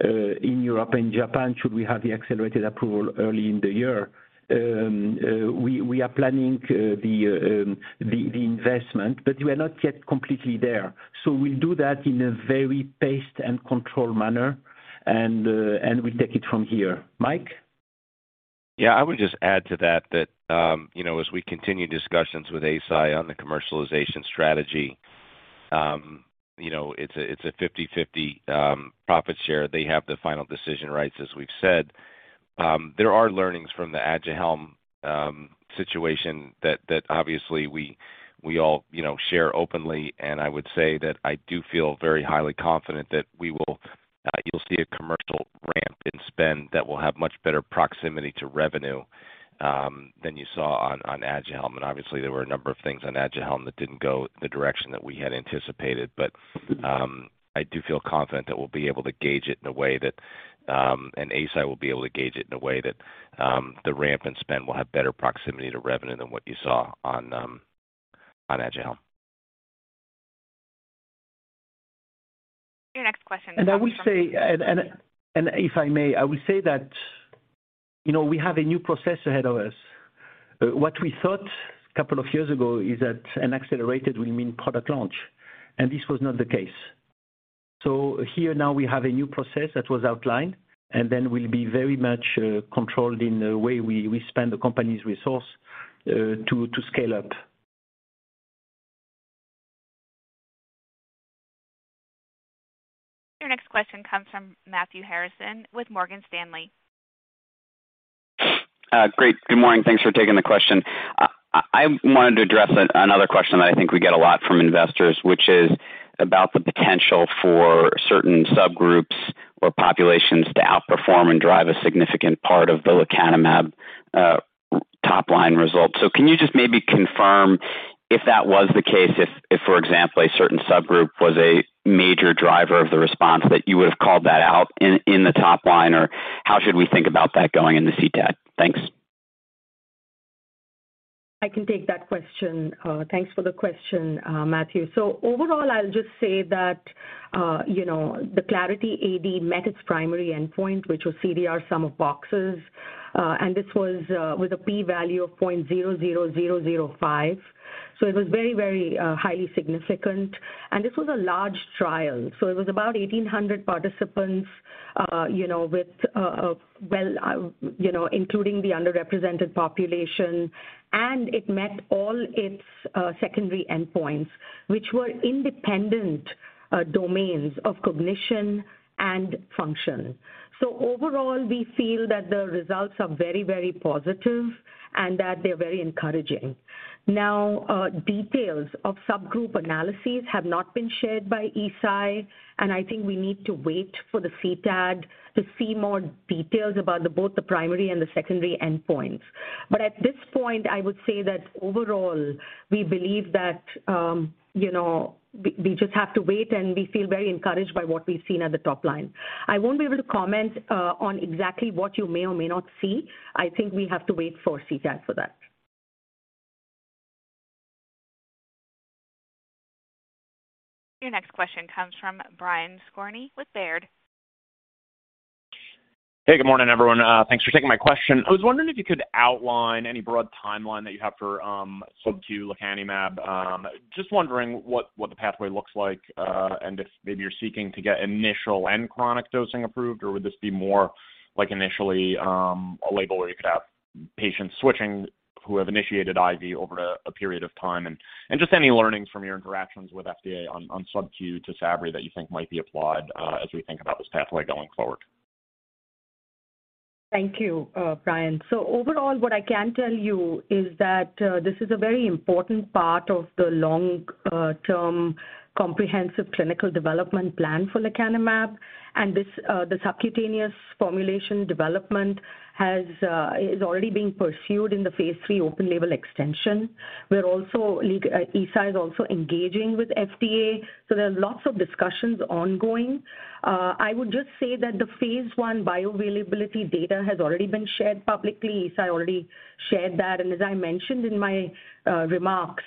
in Europe and Japan should we have the accelerated approval early in the year. We are planning the investment, but we are not yet completely there. We'll do that in a very paced and controlled manner, and we'll take it from here. Mike? Yeah. I would just add to that you know, as we continue discussions with Eisai on the commercialization strategy. You know, it's a 50/50 profit share. They have the final decision rights, as we've said. There are learnings from the ADUHELM situation that obviously we all you know, share openly. I would say that I do feel very highly confident that we will. You'll see a commercial ramp in spend that will have much better proximity to revenue than you saw on ADUHELM. Obviously there were a number of things on ADUHELM that didn't go the direction that we had anticipated. I do feel confident that we'll be able to gauge it in a way that, and Eisai will be able to gauge it in a way that, the ramp and spend will have better proximity to revenue than what you saw on ADUHELM. Your next question comes from- If I may, I will say that, you know, we have a new process ahead of us. What we thought couple of years ago is that an accelerated will mean product launch, and this was not the case. Here now we have a new process that was outlined, and then we'll be very much controlled in the way we spend the company's resource to scale up. Your next question comes from Matthew Harrison with Morgan Stanley. Great. Good morning. Thanks for taking the question. I wanted to address another question that I think we get a lot from investors, which is about the potential for certain subgroups or populations to outperform and drive a significant part of lecanemab top line results. Can you just maybe confirm if that was the case? If, for example, a certain subgroup was a major driver of the response, that you would've called that out in the top line, or how should we think about that going into CTAD? Thanks. I can take that question. Thanks for the question, Matthew. Overall, I'll just say that, you know, the Clarity AD met its primary endpoint, which was CDR Sum of Boxes. This was with a P-value of 0.00005. It was very, very highly significant. This was a large trial, so it was about 1,800 participants, you know, with, well, you know, including the underrepresented population. It met all its secondary endpoints, which were independent domains of cognition and function. Overall, we feel that the results are very, very positive and that they're very encouraging. Now, details of subgroup analyses have not been shared by Eisai, and I think we need to wait for the CTAD to see more details about both the primary and the secondary endpoints. At this point, I would say that overall, we believe that, you know, we just have to wait, and we feel very encouraged by what we've seen at the top line. I won't be able to comment on exactly what you may or may not see. I think we have to wait for CTAD for that. Your next question comes from Brian Skorney with Baird. Hey, good morning, everyone. Thanks for taking my question. I was wondering if you could outline any broad timeline that you have for Sub-Q lecanemab. Just wondering what the pathway looks like, and if maybe you're seeking to get initial and chronic dosing approved, or would this be more like initially a label where you could have patients switching who have initiated IV over a period of time? Just any learnings from your interactions with FDA on Sub-Q TYSABRI that you think might be applied as we think about this pathway going forward. Thank you, Brian. Overall, what I can tell you is that this is a very important part of the long-term comprehensive clinical development plan for lecanemab. The subcutaneous formulation development is already being pursued in the phase III open-label extension. Eisai is also engaging with FDA, so there are lots of discussions ongoing. I would just say that the phase I1 bioavailability data has already been shared publicly. Eisai already shared that. As I mentioned in my remarks,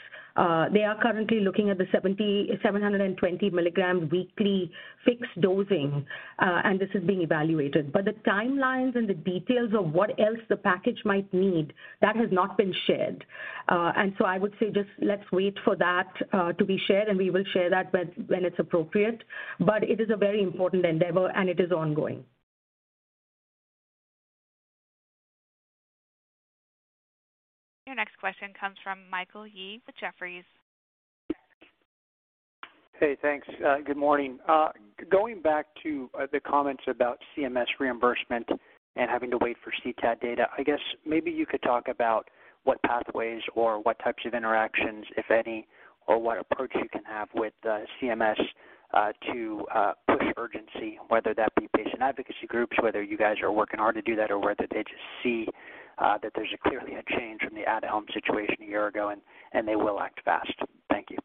they are currently looking at the 720 mg weekly fixed dosing, and this is being evaluated. The timelines and the details of what else the package might need, that has not been shared. I would say just let's wait for that to be shared, and we will share that when it's appropriate. It is a very important endeavor, and it is ongoing. Your next question comes from Michael Yee with Jefferies. Hey, thanks. Good morning. Going back to the comments about CMS reimbursement and having to wait for CTAD data, I guess maybe you could talk about what pathways or what types of interactions, if any, or what approach you can have with CMS to push urgency, whether that be patient advocacy groups, whether you guys are working hard to do that, or whether they just see that there's clearly a change from the ADUHELM situation a year ago and they will act fast. Thank you.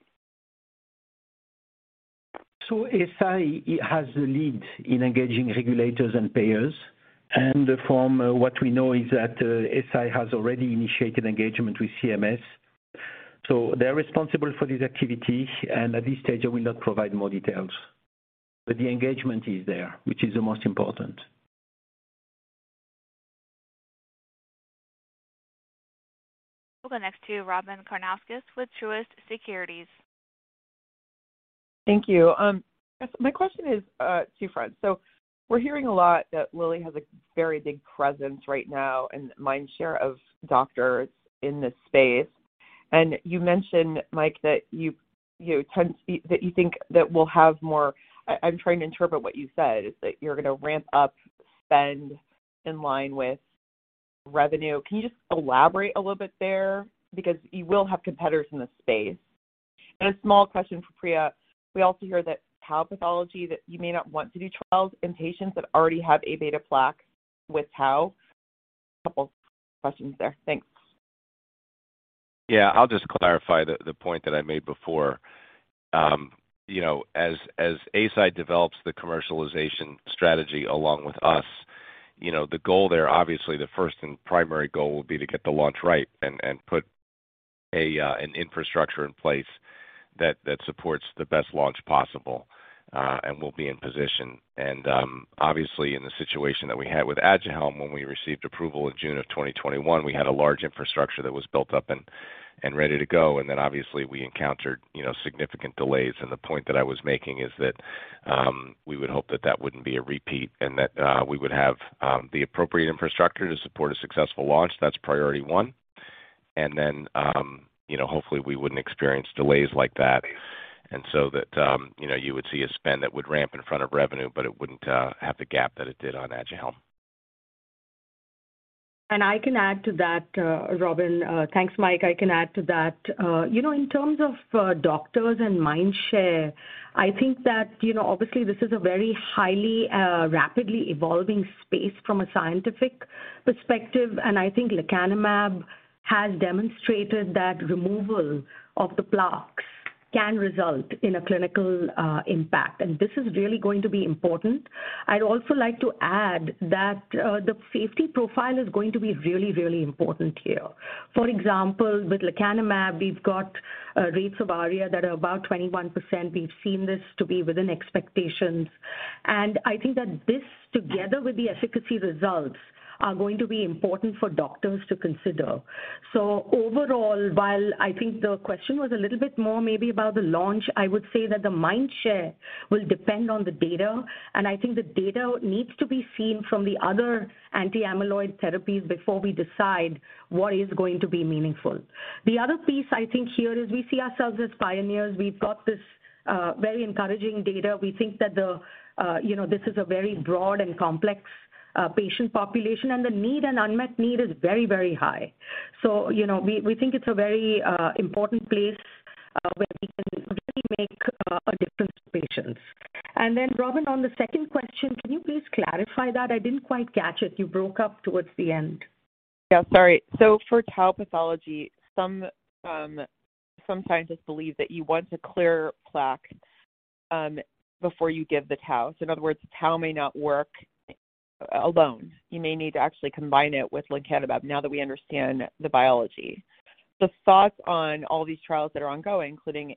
Eisai has a lead in engaging regulators and payers. From what we know is that, Eisai has already initiated engagement with CMS, so they're responsible for this activity. At this stage, I will not provide more details. The engagement is there, which is the most important. We'll go next to Robyn Karnauskas with Truist Securities. Thank you. My question is two-front. We're hearing a lot that Lilly has a very big presence right now and mindshare of doctors in this space. You mentioned, Mike, that you think that we'll have more. I'm trying to interpret what you said, is that you're gonna ramp up spend in line with revenue. Can you just elaborate a little bit there? Because you will have competitors in the space. A small question for Priya. We also hear that tau pathology, that you may not want to do trials in patients that already have Aβ plaque with tau. A couple of questions there. Thanks. Yeah. I'll just clarify the point that I made before. You know, as Eisai develops the commercialization strategy along with us, you know, the goal there, obviously the first and primary goal will be to get the launch right and put an infrastructure in place that supports the best launch possible, and we'll be in position. Obviously in the situation that we had with ADUHELM when we received approval in June 2021, we had a large infrastructure that was built up and ready to go. Obviously we encountered, you know, significant delays. The point that I was making is that we would hope that that wouldn't be a repeat and that we would have the appropriate infrastructure to support a successful launch. That's priority one. You know, hopefully we wouldn't experience delays like that. You know, you would see a spend that would ramp in front of revenue, but it wouldn't have the gap that it did on ADUHELM. I can add to that, Robyn. Thanks, Mike. I can add to that. You know, in terms of doctors and mindshare, I think that, you know, obviously this is a very highly rapidly evolving space from a scientific perspective, and I think lecanemab has demonstrated that removal of the plaques can result in a clinical impact. This is really going to be important. I'd also like to add that the safety profile is going to be really, really important here. For example, with lecanemab, we've got rates of ARIA that are about 21%. We've seen this to be within expectations. I think that this together with the efficacy results are going to be important for doctors to consider. Overall, while I think the question was a little bit more maybe about the launch, I would say that the mindshare will depend on the data, and I think the data needs to be seen from the other anti-amyloid therapies before we decide what is going to be meaningful. The other piece I think here is we see ourselves as pioneers. We've got this very encouraging data. We think that you know, this is a very broad and complex patient population, and the need and unmet need is very, very high. You know, we think it's a very important place where we can really make a difference to patients. Robyn, on the second question, can you please clarify that? I didn't quite catch it. You broke up towards the end. Yeah, sorry. For tau pathology, some scientists believe that you want to clear plaque before you give the tau. In other words, tau may not work alone. You may need to actually combine it with lecanemab now that we understand the biology. The thoughts on all these trials that are ongoing, including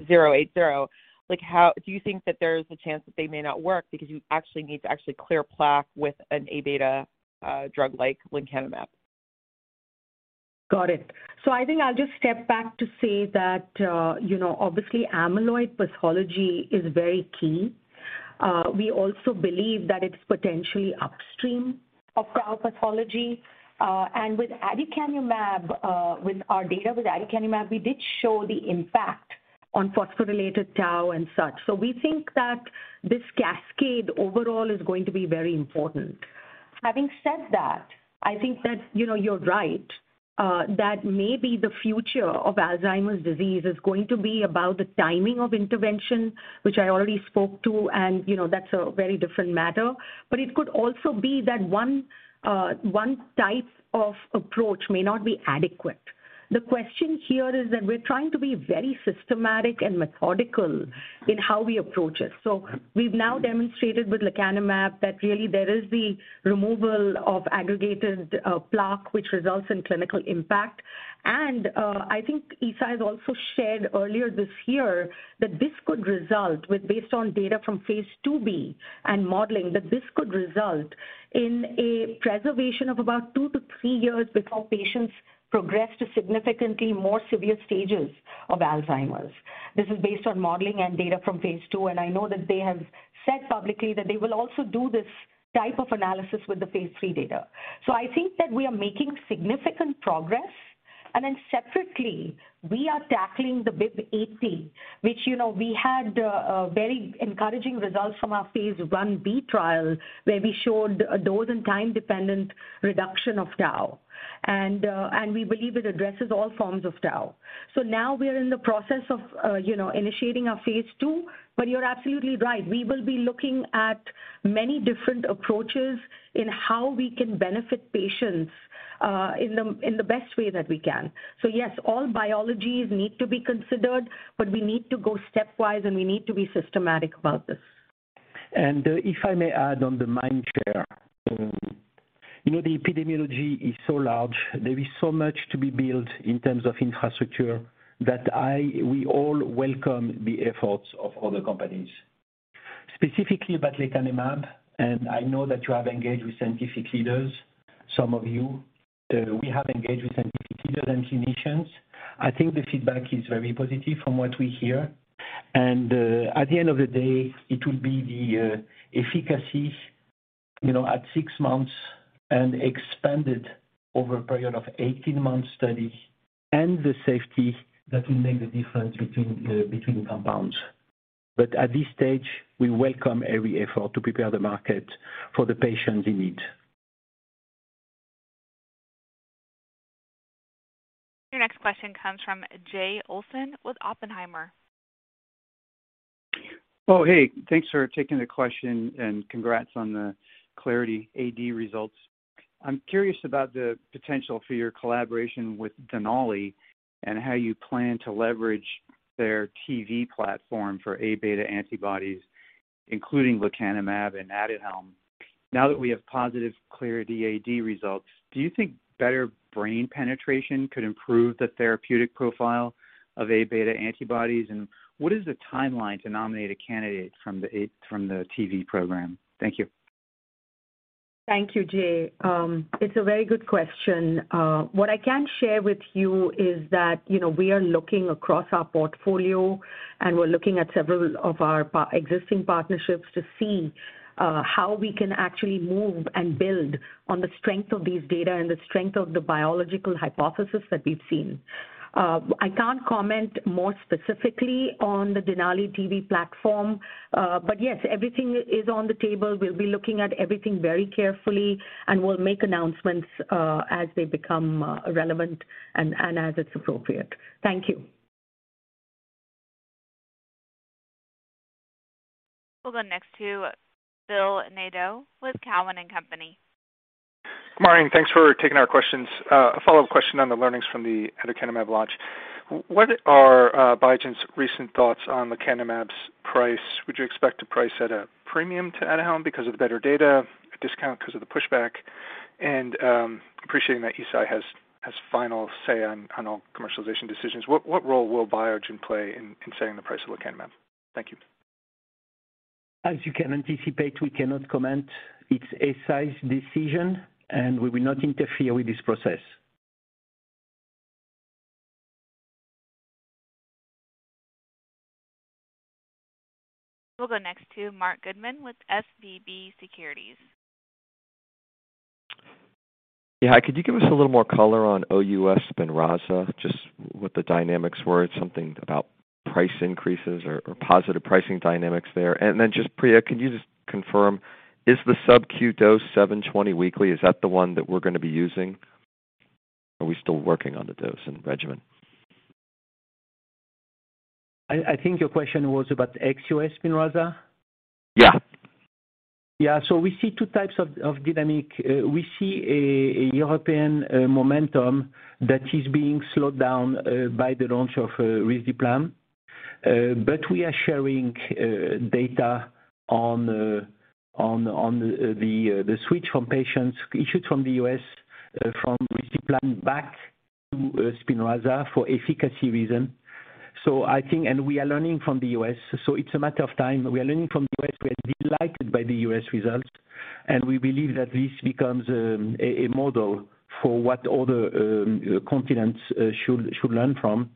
BIIB080, like, do you think that there's a chance that they may not work because you actually need to actually clear plaque with an Aβ drug like lecanemab? Got it. I think I'll just step back to say that, you know, obviously amyloid pathology is very key. We also believe that it's potentially upstream of tau pathology. With aducanumab, with our data with aducanumab, we did show the impact on phosphorylated tau and such. We think that this cascade overall is going to be very important. Having said that, I think that, you know, you're right, that maybe the future of Alzheimer's disease is going to be about the timing of intervention, which I already spoke to, and, you know, that's a very different matter. It could also be that one type of approach may not be adequate. The question here is that we're trying to be very systematic and methodical in how we approach this. We've now demonstrated with lecanemab that really there is the removal of aggregated plaque, which results in clinical impact. I think Eisai has also shared earlier this year that this could result with based on data from phase IIb and modeling, that this could result in a preservation of about two-three years before patients progress to significantly more severe stages of Alzheimer's. This is based on modeling and data from phase IIb, and I know that they have said publicly that they will also do this type of analysis with the phase III data. I think that we are making significant progress. Then separately, we are tackling the BIIB080, which, you know, we had very encouraging results from our phase Ib trial, where we showed a dose and time-dependent reduction of tau. We believe it addresses all forms of tau. Now we are in the process of, you know, initiating our phase II, but you're absolutely right. We will be looking at many different approaches in how we can benefit patients in the best way that we can. Yes, all biologics need to be considered, but we need to go stepwise, and we need to be systematic about this. If I may add on the mindshare, you know, the epidemiology is so large. There is so much to be built in terms of infrastructure that we all welcome the efforts of other companies. Specifically about lecanemab, and I know that you have engaged with scientific leaders, some of you. We have engaged with scientific leaders and clinicians. I think the feedback is very positive from what we hear. At the end of the day, it will be the efficacy, you know, at six months and expanded over a period of 18-month study and the safety that will make the difference between compounds. At this stage, we welcome every effort to prepare the market for the patients in need. Your next question comes from Jay Olson with Oppenheimer. Oh, hey, thanks for taking the question and congrats on the Clarity AD results. I'm curious about the potential for your collaboration with Denali and how you plan to leverage their ATV platform for Aβ antibodies, including lecanemab and ADUHELM. Now that we have positive Clarity AD results, do you think better brain penetration could improve the therapeutic profile of Aβ antibodies? And what is the timeline to nominate a candidate from the ATV program? Thank you. Thank you, Jay. It's a very good question. What I can share with you is that, you know, we are looking across our portfolio, and we're looking at several of our pre-existing partnerships to see how we can actually move and build on the strength of these data and the strength of the biological hypothesis that we've seen. I can't comment more specifically on the Denali ATV platform, but yes, everything is on the table. We'll be looking at everything very carefully, and we'll make announcements as they become relevant and as it's appropriate. Thank you. We'll go next to Phil Nadeau with TD Cowen. Thanks for taking our questions. A follow-up question on the learnings from the aducanumab launch. What are Biogen's recent thoughts on lecanemab's price? Would you expect to price at a premium to ADUHELM because of the better data, a discount 'cause of the pushback? Appreciating that Eisai has final say on all commercialization decisions, what role will Biogen play in setting the price of lecanemab? Thank you. As you can anticipate, we cannot comment. It's Eisai's decision, and we will not interfere with this process. We'll go next to Marc Goodman with SVB Securities. Yeah. Could you give us a little more color on OUS SPINRAZA? Just what the dynamics were. Something about price increases or positive pricing dynamics there. Then just, Priya, could you just confirm, is the Sub-Q dose 720 weekly? Is that the one that we're gonna be using? Are we still working on the dose and regimen? I think your question was about ex-U.S. SPINRAZA. Yeah. Yeah. We see two types of dynamics. We see a European momentum that is being slowed down by the launch of risdiplam. We are sharing data on the switch of patients in the U.S. from risdiplam back to SPINRAZA for efficacy reasons. I think we are learning from the U.S., so it's a matter of time, we are delighted by the U.S. results, and we believe that this becomes a model for what other continents should learn from.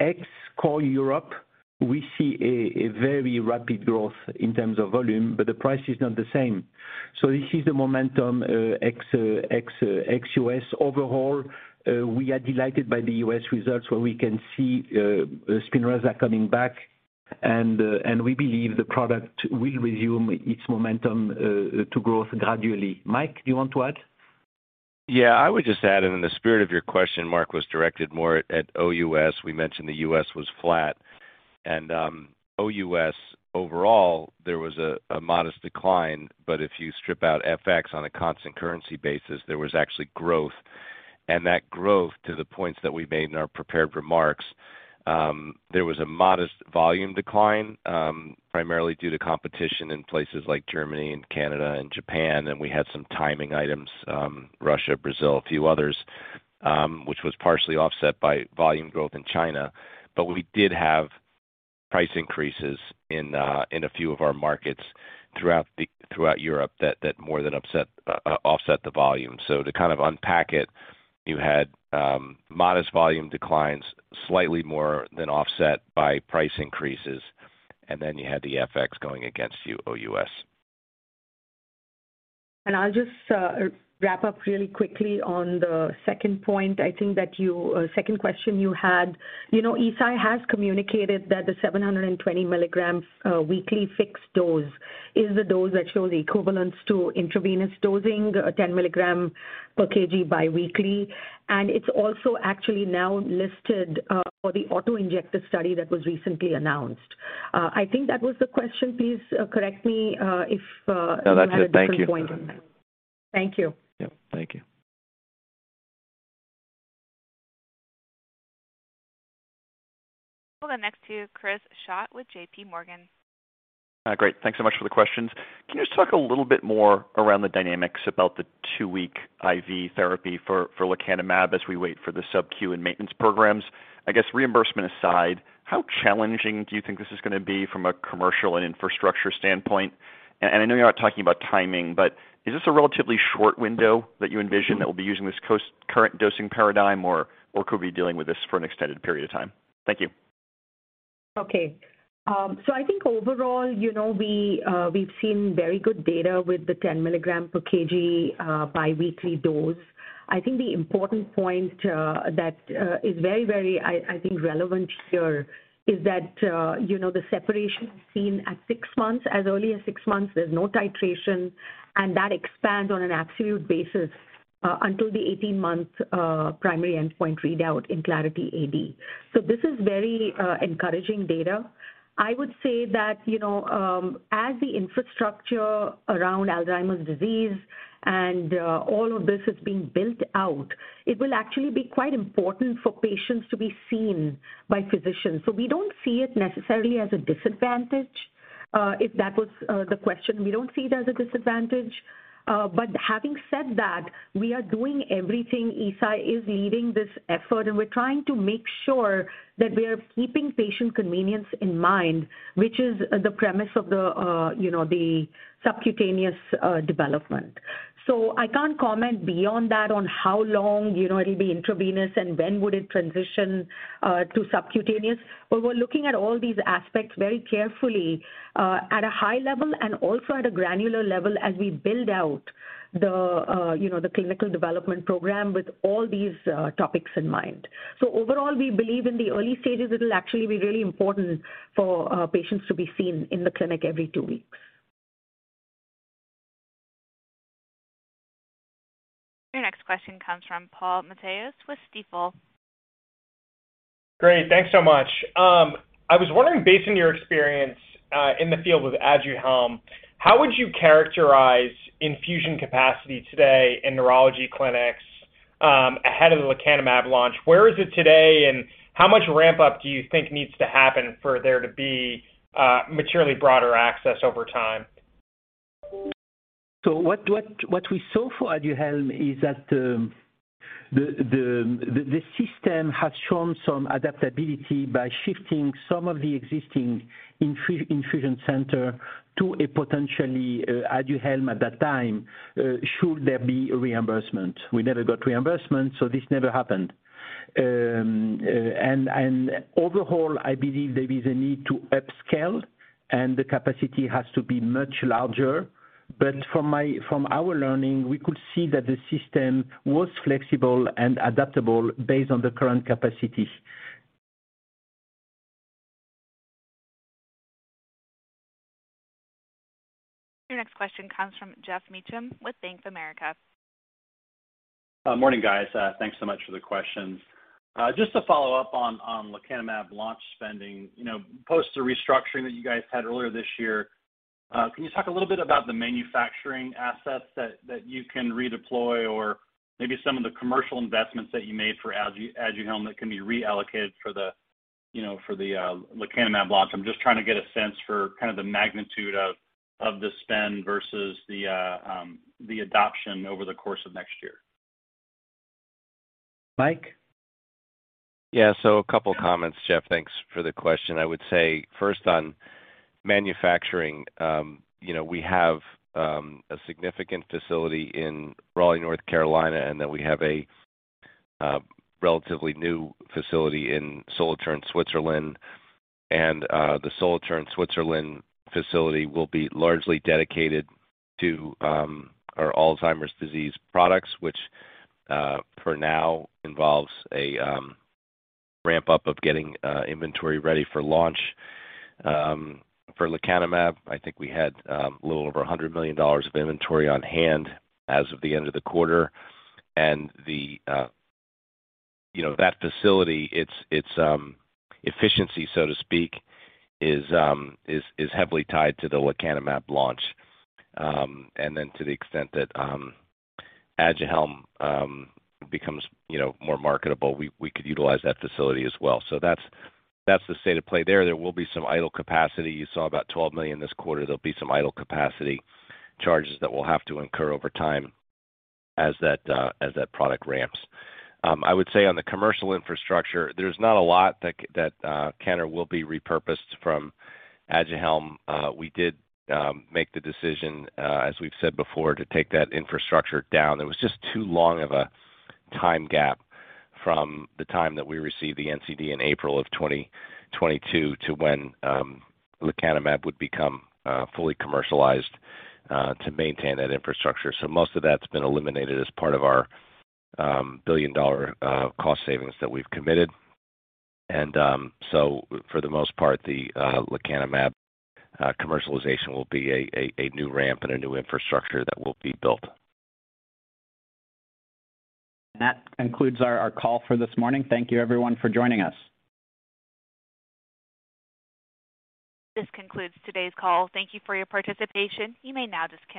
Ex-core Europe, we see a very rapid growth in terms of volume, but the price is not the same. This is the momentum ex-U.S. Overall, we are delighted by the U.S. results where we can see SPINRAZA coming back, and we believe the product will resume its momentum to growth gradually. Mike, do you want to add? Yeah, I would just add, in the spirit of your question, Mark, was directed more at OUS. We mentioned the U.S. was flat. OUS overall, there was a modest decline, but if you strip out FX on a constant currency basis, there was actually growth. That growth, to the points that we made in our prepared remarks, there was a modest volume decline, primarily due to competition in places like Germany and Canada and Japan. We had some timing items, Russia, Brazil, a few others, which was partially offset by volume growth in China. We did have price increases in a few of our markets throughout Europe that more than offset the volume. To kind of unpack it, you had modest volume declines slightly more than offset by price increases, and then you had the FX going against you, OUS. I'll just wrap up really quickly on the second point. I think that your second question you had. You know, Eisai has communicated that the 720 mg weekly fixed dose is the dose that shows equivalence to intravenous dosing 10 mg per kg biweekly. It's also actually now listed for the auto-injector study that was recently announced. I think that was the question. Please correct me if you had a different point. Thank you. Yep. Thank you. We'll go next to Chris Schott with JPMorgan. Great. Thanks so much for the questions. Can you just talk a little bit more around the dynamics about the two-week IV therapy for lecanemab as we wait for the Sub-Q and maintenance programs? I guess reimbursement aside, how challenging do you think this is gonna be from a commercial and infrastructure standpoint? I know you're not talking about timing, but is this a relatively short window that you envision that we'll be using this current dosing paradigm, or could we be dealing with this for an extended period of time? Thank you. Okay. I think overall, you know, we've seen very good data with the 10 mg per kg bi-weekly dose. I think the important point that is very relevant here is that, you know, the separation seen at six months, as early as six months, there's no titration, and that expands on an absolute basis until the 18-month primary endpoint readout in Clarity AD. This is very encouraging data. I would say that, you know, as the infrastructure around Alzheimer's disease and all of this is being built out, it will actually be quite important for patients to be seen by physicians. We don't see it necessarily as a disadvantage, if that was the question. We don't see it as a disadvantage. Having said that, we are doing everything. Eisai is leading this effort, and we're trying to make sure that we are keeping patient convenience in mind, which is the premise of the you know, the subcutaneous development. I can't comment beyond that on how long, you know, it'll be intravenous and when would it transition to subcutaneous. We're looking at all these aspects very carefully at a high level and also at a granular level as we build out the you know, the clinical development program with all these topics in mind. Overall, we believe in the early stages, it'll actually be really important for patients to be seen in the clinic every two weeks. Your next question comes from Paul Matteis with Stifel. Great. Thanks so much. I was wondering, based on your experience in the field with ADUHELM, how would you characterize infusion capacity today in neurology clinics, ahead of the lecanemab launch? Where is it today, and how much ramp-up do you think needs to happen for there to be materially broader access over time? What we saw for ADUHELM is that the system has shown some adaptability by shifting some of the existing infusion center to a potentially ADUHELM at that time should there be reimbursement. We never got reimbursement, so this never happened. And overall, I believe there is a need to upscale and the capacity has to be much larger. From our learning, we could see that the system was flexible and adaptable based on the current capacities. Your next question comes from Geoff Meacham with Bank of America. Morning, guys. Thanks so much for the questions. Just to follow up on lecanemab launch spending. You know, post the restructuring that you guys had earlier this year, can you talk a little bit about the manufacturing assets that you can redeploy or maybe some of the commercial investments that you made for ADUHELM that can be reallocated for the, you know, for the lecanemab launch? I'm just trying to get a sense for kind of the magnitude of the spend versus the adoption over the course of next year. Mike? Yeah. A couple comments, Geoff. Thanks for the question. I would say first on manufacturing, you know, we have a significant facility in Raleigh, North Carolina, and then we have a relatively new facility in Solothurn, Switzerland. The Solothurn, Switzerland facility will be largely dedicated to our Alzheimer's disease products, which for now involves a ramp-up of getting inventory ready for launch for lecanemab. I think we had a little over $100 million of inventory on hand as of the end of the quarter. You know, that facility, its efficiency, so to speak, is heavily tied to the lecanemab launch. To the extent that ADUHELM becomes, you know, more marketable, we could utilize that facility as well. That's the state of play there. There will be some idle capacity. You saw about $12 million this quarter. There'll be some idle capacity charges that we'll have to incur over time as that product ramps. I would say on the commercial infrastructure, there's not a lot that can or will be repurposed from ADUHELM. We did make the decision, as we've said before, to take that infrastructure down. It was just too long of a time gap from the time that we received the NCD in April 2022 to when lecanemab would become fully commercialized to maintain that infrastructure. Most of that's been eliminated as part of our billion-dollar cost savings that we've committed. For the most part, the lecanemab commercialization will be a new ramp and a new infrastructure that will be built. That concludes our call for this morning. Thank you everyone for joining us. This concludes today's call. Thank you for your participation. You may now disconnect.